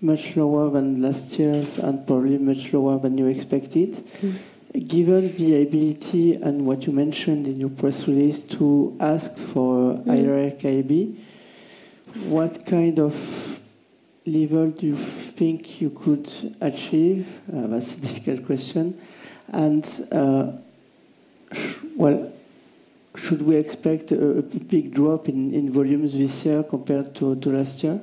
H: much lower than last year's and probably much lower than you expected.
A: Mm-hmm.
H: Given the ability and what you mentioned in your press release to ask for higher RKAB, what kind of level do you think you could achieve? That's a difficult question. Well, should we expect a big drop in volumes this year compared to last year?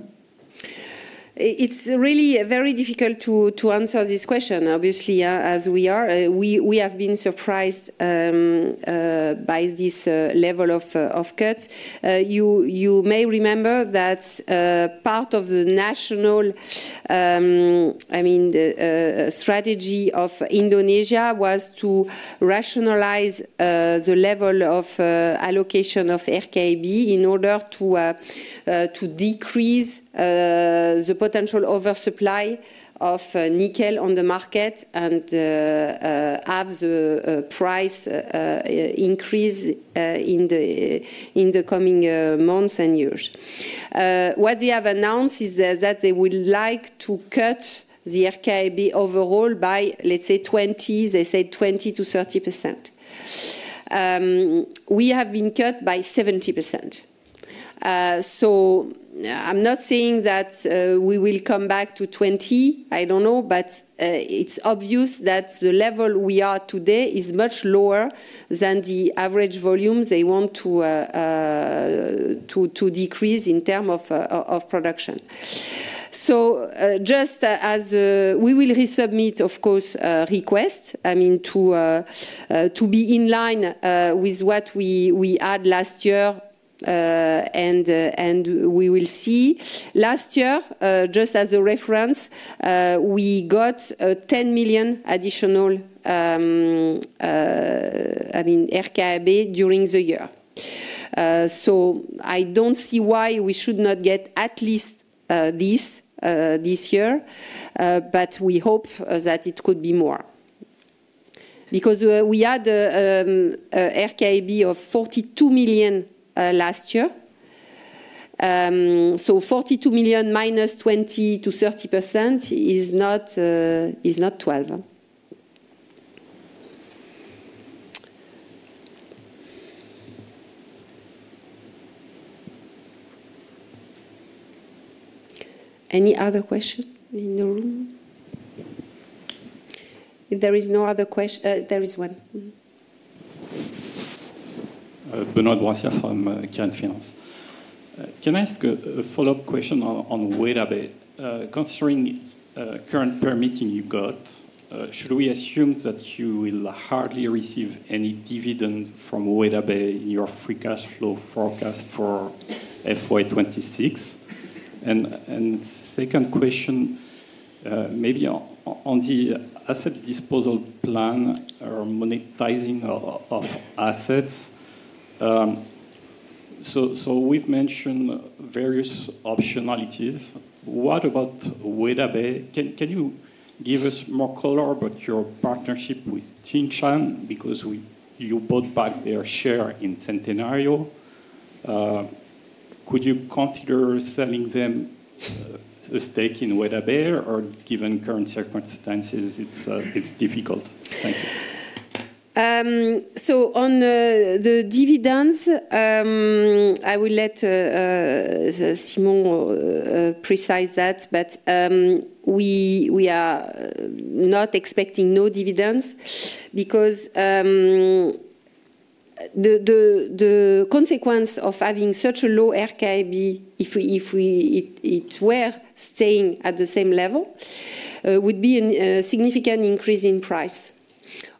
A: It's really very difficult to answer this question. Obviously, as we are, we have been surprised by this level of cut. You may remember that part of the national, I mean, the strategy of Indonesia was to rationalize the level of allocation of RKAB in order to decrease the potential oversupply of nickel on the market and have the price increase in the coming months and years. What they have announced is that they would like to cut the RKAB overall by, let's say, 20%, they said 20%-30%. We have been cut by 70%. So—I'm not saying that we will come back to 20%, I don't know. But it's obvious that the level we are today is much lower than the average volume they want to decrease in terms of production. So just as we will resubmit, of course, request, I mean, to be in line with what we had last year. And we will see. Last year, just as a reference, we got 10 million additional, I mean, RKAB during the year. So I don't see why we should not get at least this year. But we hope that it could be more. Because we had RKAB of 42 million last year. So 42 million - 20% to 30% is not 12. Any other question in the room? If there is no other question, there is one. Mm-hmm.
I: Bernard Wansia from Current Finance. Can I ask a follow-up question on Weda Bay? Considering current permitting you got, should we assume that you will hardly receive any dividend from Weda Bay in your free cash flow forecast for FY 2026? And second question, maybe on the asset disposal plan or monetizing of assets. So we've mentioned various optionalities. What about Weda Bay? Can you give us more color about your partnership with Tsingshan? Because you bought back their share in Centenario. Could you consider selling them a stake in Weda Bay, or given current circumstances, it's difficult? Thank you.
A: So on the dividends, I will let Simon precise that. But we are not expecting no dividends because the consequence of having such a low RKAB, if it were staying at the same level, would be a significant increase in price.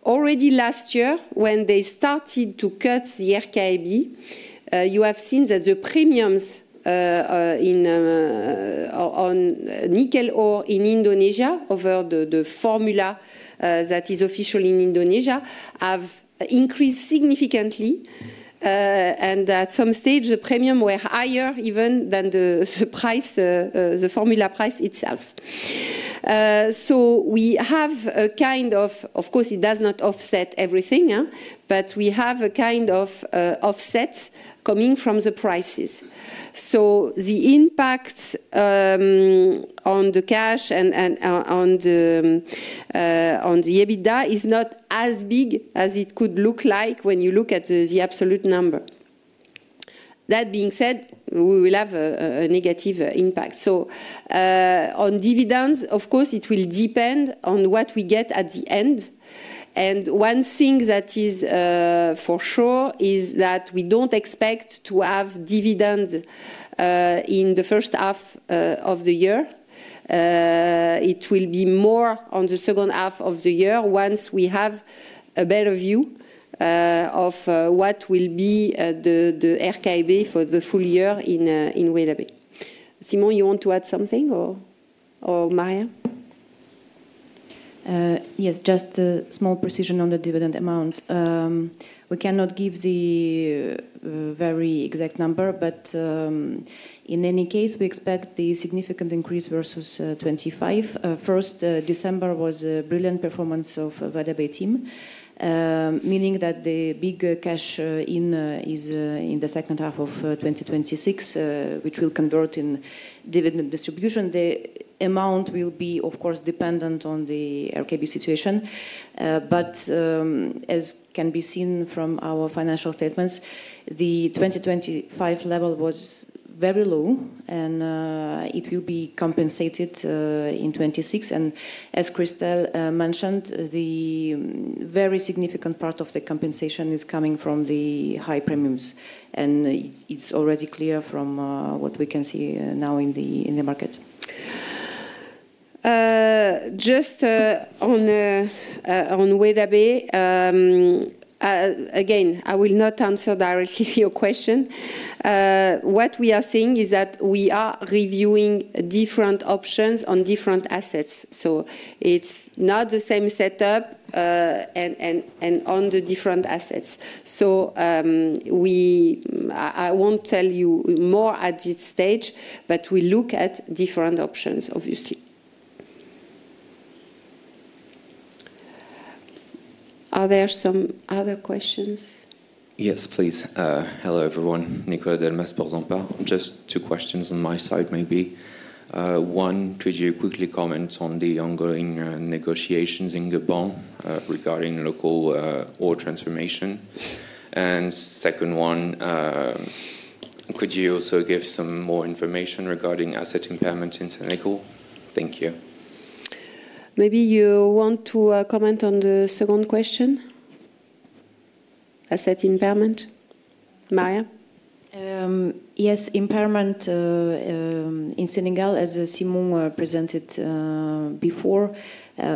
A: Already last year, when they started to cut the RKAB, you have seen that the premiums on nickel ore in Indonesia over the formula that is official in Indonesia, have increased significantly. And at some stage, the premium were higher even than the price, the formula price itself. So we have a kind of, of course, it does not offset everything, but we have a kind of offsets coming from the prices. So the impact on the cash and on the EBITDA is not as big as it could look like when you look at the absolute number. That being said, we will have a negative impact. So on dividends, of course, it will depend on what we get at the end. And one thing that is for sure is that we don't expect to have dividends in the first half of the year. It will be more on the second half of the year once we have a better view of what will be the RKAB for the full year in Weda Bay. Simon, you want to add something or Maria?
J: Yes, just a small precision on the dividend amount. We cannot give the very exact number, but in any case, we expect the significant increase versus 2025. First, December was a brilliant performance of Weda Bay team, meaning that the big cash in is in the second half of 2026, which will convert in dividend distribution. The amount will be, of course, dependent on the RKAB situation. But as can be seen from our financial statements, the 2025 level was very low, and it will be compensated in 2026. And as Christel mentioned, the very significant part of the compensation is coming from the high premiums, and it's already clear from what we can see now in the market.
A: Just on Weda Bay, again, I will not answer directly your question. What we are saying is that we are reviewing different options on different assets. So it's not the same setup on the different assets. I won't tell you more at this stage, but we look at different options, obviously. Are there some other questions?
K: Yes, please. Hello, everyone. Nicolas Montel Portzamparc. Just two questions on my side, maybe. One, could you quickly comment on the ongoing negotiations in Gabon regarding local ore transformation? And second one, could you also give some more information regarding asset impairment in Senegal? Thank you.
A: Maybe you want to, comment on the second question? Asset impairment, Maria?
J: Yes, impairment in Senegal, as Simon presented before,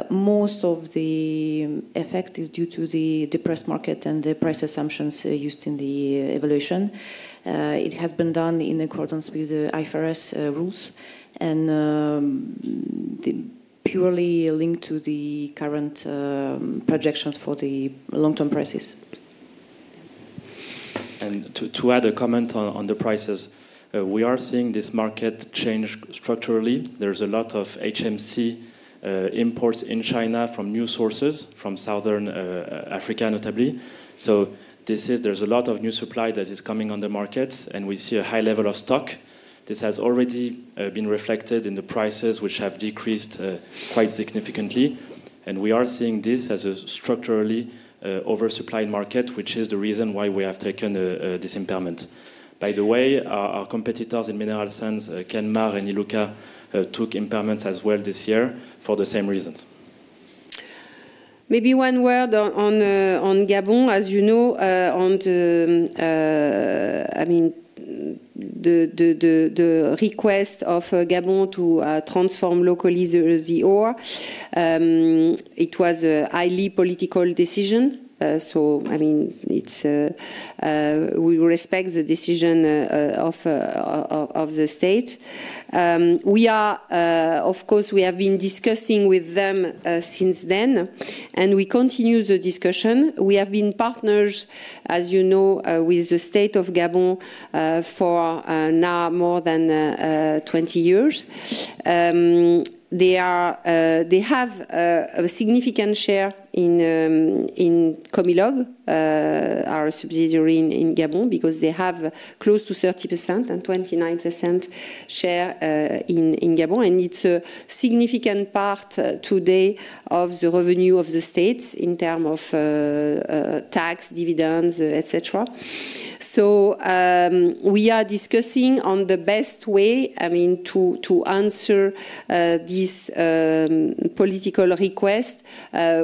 J: most of the effect is due to the depressed market and the price assumptions used in the evolution. It has been done in accordance with the IFRS rules, and the purely linked to the current projections for the long-term prices.
B: To add a comment on the prices. We are seeing this market change structurally. There's a lot of HMC imports in China from new sources, from Southern Africa, notably. So this is—there's a lot of new supply that is coming on the market, and we see a high level of stock. This has already been reflected in the prices, which have decreased quite significantly. And we are seeing this as a structurally oversupplied market, which is the reason why we have taken this impairment. By the way, our competitors in mineral sands, Kenmare and Iluka, took impairments as well this year for the same reasons.
A: Maybe one word on Gabon. As you know, on the, I mean, the request of Gabon to transform locally the ore. It was a highly political decision. So, I mean, it's we respect the decision of the state. We are, of course, we have been discussing with them since then, and we continue the discussion. We have been partners, as you know, with the state of Gabon, for now more than 20 years. They are, they have a significant share in Comilog, our subsidiary in Gabon, because they have close to 30% and 29% share in Gabon. And it's a significant part today of the revenue of the states in terms of tax, dividends, et cetera. So, we are discussing on the best way, I mean, to answer this political request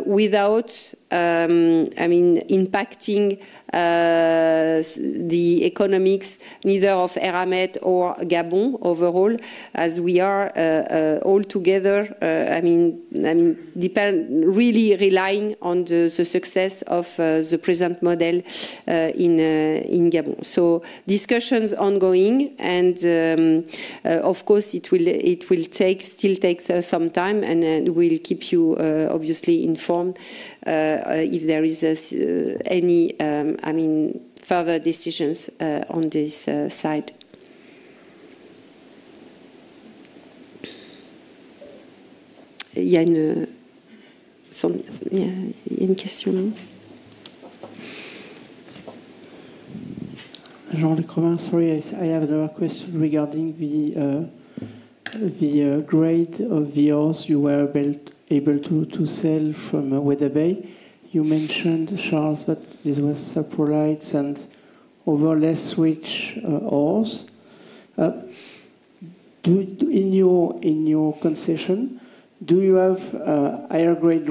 A: without, I mean, impacting the economics, neither of Eramet or Gabon overall, as we are all together, I mean, really relying on the success of the present model in Gabon. So discussions ongoing and, of course it will take, still takes some time, and then we'll keep you obviously informed if there is any, I mean, further decisions on this side. Yeah, so, yeah, any question now?
H: Jean-Luc Romain, sorry, I have another question regarding the grade of the ores you were able to sell from Weda Bay. You mentioned, Charles, that this was saprolites and other less rich ores. Do you, in your concession, have higher grade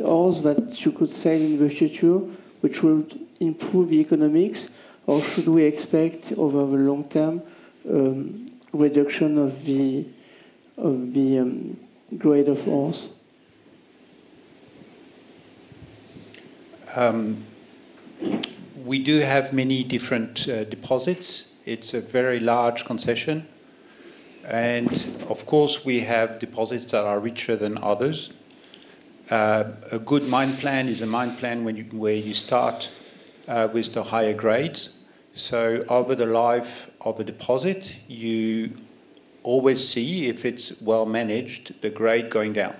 H: ores that you could sell in the future, which would improve the economics? Or should we expect over the long term reduction of the grade of ores?
C: We do have many different deposits. It's a very large concession, and of course, we have deposits that are richer than others. A good mine plan is a mine plan when you, where you start with the higher grades. So over the life of a deposit, you always see, if it's well managed, the grade going down.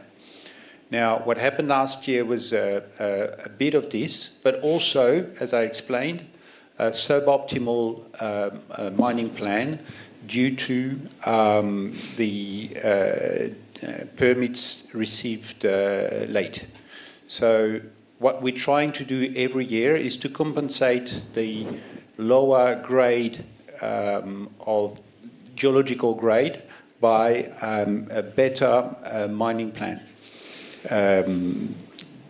C: Now, what happened last year was a bit of this, but also, as I explained, a suboptimal mining plan due to the permits received late. So what we're trying to do every year is to compensate the lower grade of geological grade by a better mining plan.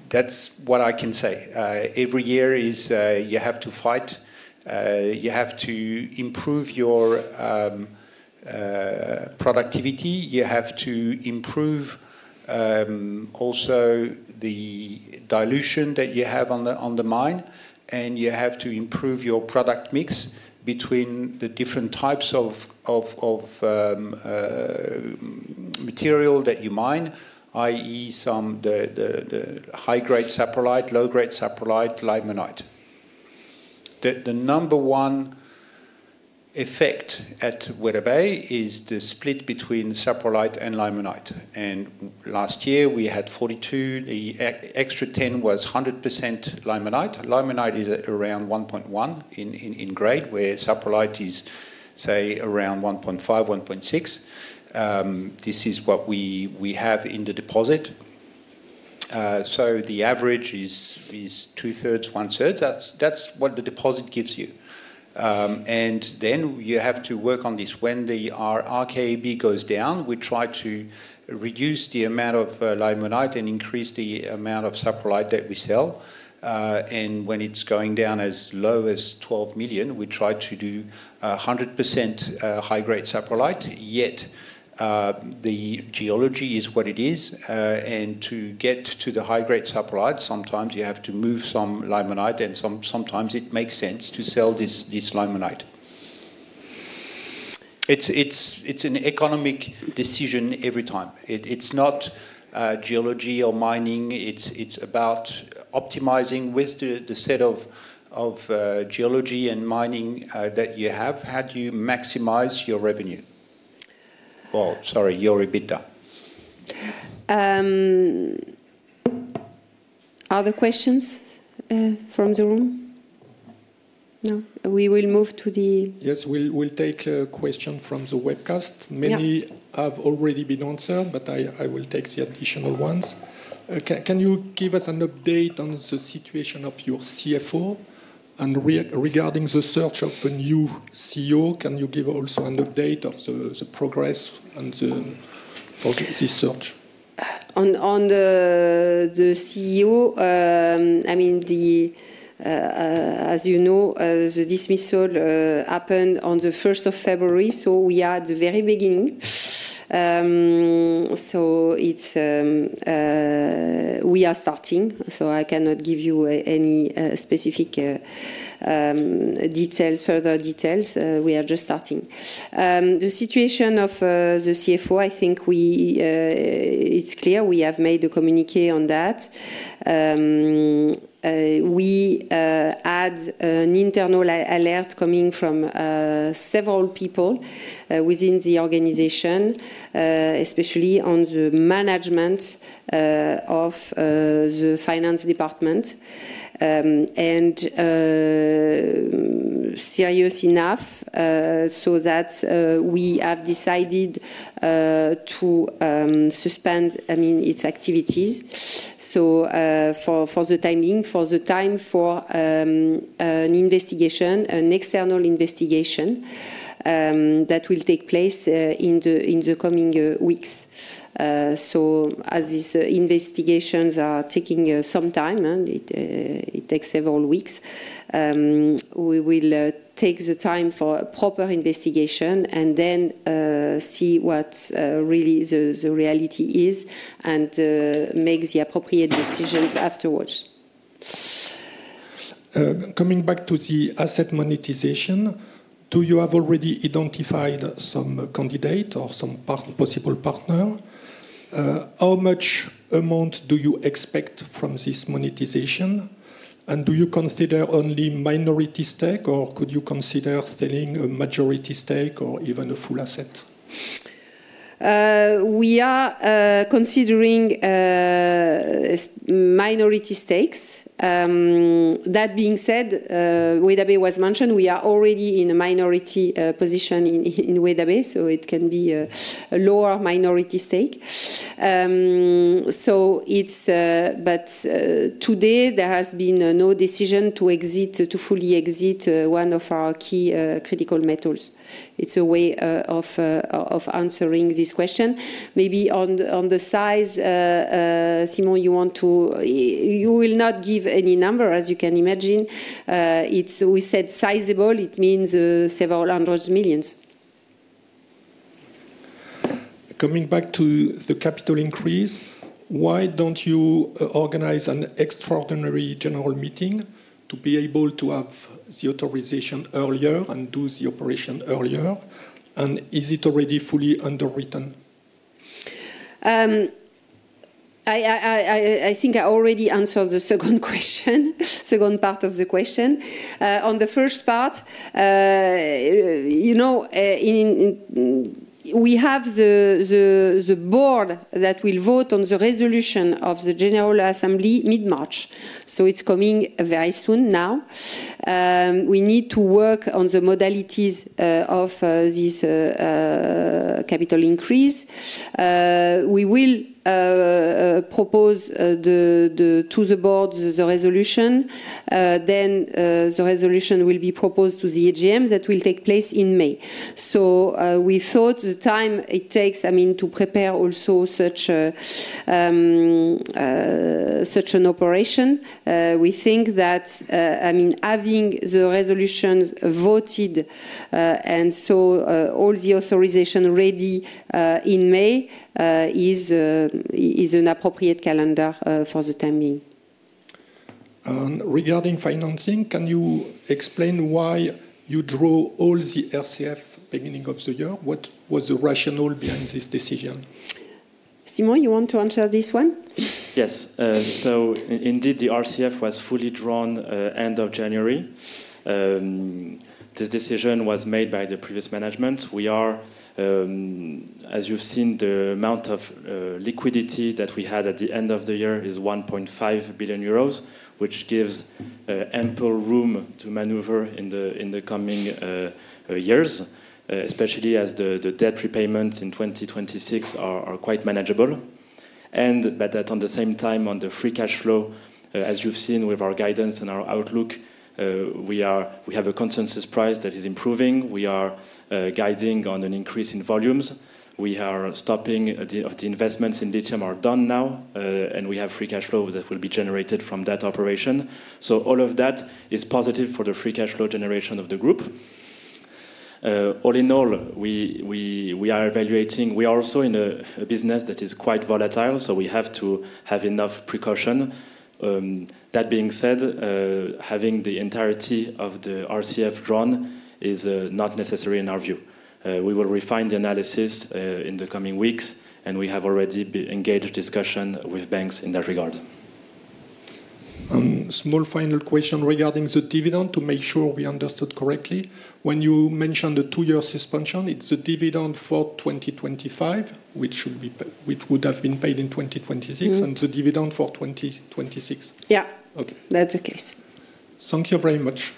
C: That's what I can say. Every year is, you have to fight, you have to improve your productivity, you have to improve also the dilution that you have on the mine, and you have to improve your product mix between the different types of material that you mine, i.e., the high-grade saprolite, low-grade saprolite, limonite. The number one effect at Weda Bay is the split between saprolite and limonite. And last year we had 42. The extra 10 was 100% limonite. Limonite is around 1.1 in grade, where saprolite is, say, around 1.5, 1.6. This is what we have in the deposit, so the average is 2/3, 1/3. That's what the deposit gives you. And then you have to work on this. When the RKAB goes down, we try to reduce the amount of limonite and increase the amount of saprolite that we sell. And when it's going down as low as 12 million, we try to do 100% high-grade saprolite. Yet, the geology is what it is, and to get to the high-grade saprolite, sometimes you have to move some limonite, and sometimes it makes sense to sell this limonite. It's an economic decision every time. It's not geology or mining, it's about optimizing with the set of geology and mining that you have, how do you maximize your revenue? Well, sorry, your EBITDA.
A: Other questions from the room? No. We will move to the—
L: Yes, we'll, we'll take a question from the webcast.
A: Yeah.
L: Many have already been answered, but I will take the additional ones. Can you give us an update on the situation of your CFO? And regarding the search of a new CEO, can you give also an update of the progress and of this search?
A: On the CEO, I mean, as you know, the dismissal happened on the first of February, so we are at the very beginning. So we are starting, so I cannot give you any specific details, further details. We are just starting. The situation of the CFO, I think it's clear we have made a communiqué on that. We had an internal alert coming from several people within the organization, especially on the management of the finance department. And serious enough, so that we have decided to suspend, I mean, its activities. For the time being, an external investigation that will take place in the coming weeks. As these investigations are taking some time, and it takes several weeks, we will take the time for a proper investigation and then see what really the reality is and make the appropriate decisions afterwards.
L: Coming back to the asset monetization, do you have already identified some candidate or some part, possible partner? How much amount do you expect from this monetization? And do you consider only minority stake, or could you consider selling a majority stake or even a full asset?
A: We are considering minority stakes. That being said, Weda Bay was mentioned. We are already in a minority position in Weda Bay, so it can be a lower minority stake. But today there has been no decision to exit, to fully exit one of our key critical metals. It's a way of answering this question. Maybe on the size, Simon, you want to—you will not give any number, as you can imagine. It's we said sizable, it means several hundreds of millions.
L: Coming back to the capital increase, why don't you organize an extraordinary general meeting to be able to have the authorization earlier and do the operation earlier? Is it already fully underwritten?
A: I think I already answered the second question, second part of the question. On the first part, you know, we have the board that will vote on the resolution of the General Assembly mid-March, so it's coming very soon now. We need to work on the modalities of this capital increase. We will propose the resolution to the board. Then, the resolution will be proposed to the AGM that will take place in May. We thought the time it takes, I mean, to prepare also such an operation, we think that, I mean, having the resolution voted, and so, all the authorization ready, in May, is an appropriate calendar, for the time being.
L: Regarding financing, can you explain why you draw all the RCF beginning of the year? What was the rationale behind this decision?
A: Simon, you want to answer this one?
B: Yes. So indeed, the RCF was fully drawn end of January. This decision was made by the previous management. We are, as you've seen, the amount of liquidity that we had at the end of the year is 1.5 billion euros, which gives ample room to maneuver in the, in the coming years, especially as the, the debt repayments in 2026 are, are quite manageable but at the same time, on the free cash flow, as you've seen with our guidance and our outlook, we have a consensus price that is improving. We are guiding on an increase in volumes. We are stopping. The investments in WBN are done now, and we have free cash flow that will be generated from that operation. So all of that is positive for the free cash flow generation of the group. All in all, we are evaluating. We are also in a business that is quite volatile, so we have to have enough precaution. That being said, having the entirety of the RCF drawn is not necessary in our view. We will refine the analysis in the coming weeks, and we have already engaged discussion with banks in that regard.
L: Small final question regarding the dividend, to make sure we understood correctly. When you mentioned the two-year suspension, it's the dividend for 2025, which should be paid, which would have been paid in 2026—
A: Mm-hmm.
L: —and the dividend for 2026?
A: Yeah.
L: Okay.
A: That's the case.
L: Thank you very much.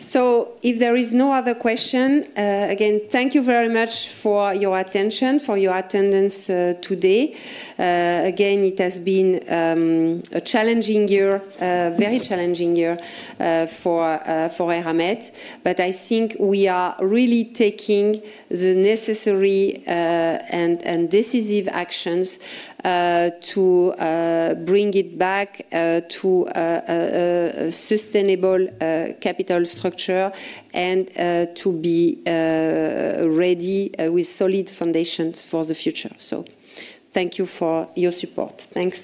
A: So if there is no other question, again, thank you very much for your attention, for your attendance, today. Again, it has been, a challenging year, very challenging year, for, for Eramet. But I think we are really taking the necessary, and, and decisive actions, to, bring it back, to, sustainable, capital structure and, to be, ready, with solid foundations for the future. So thank you for your support. Thanks.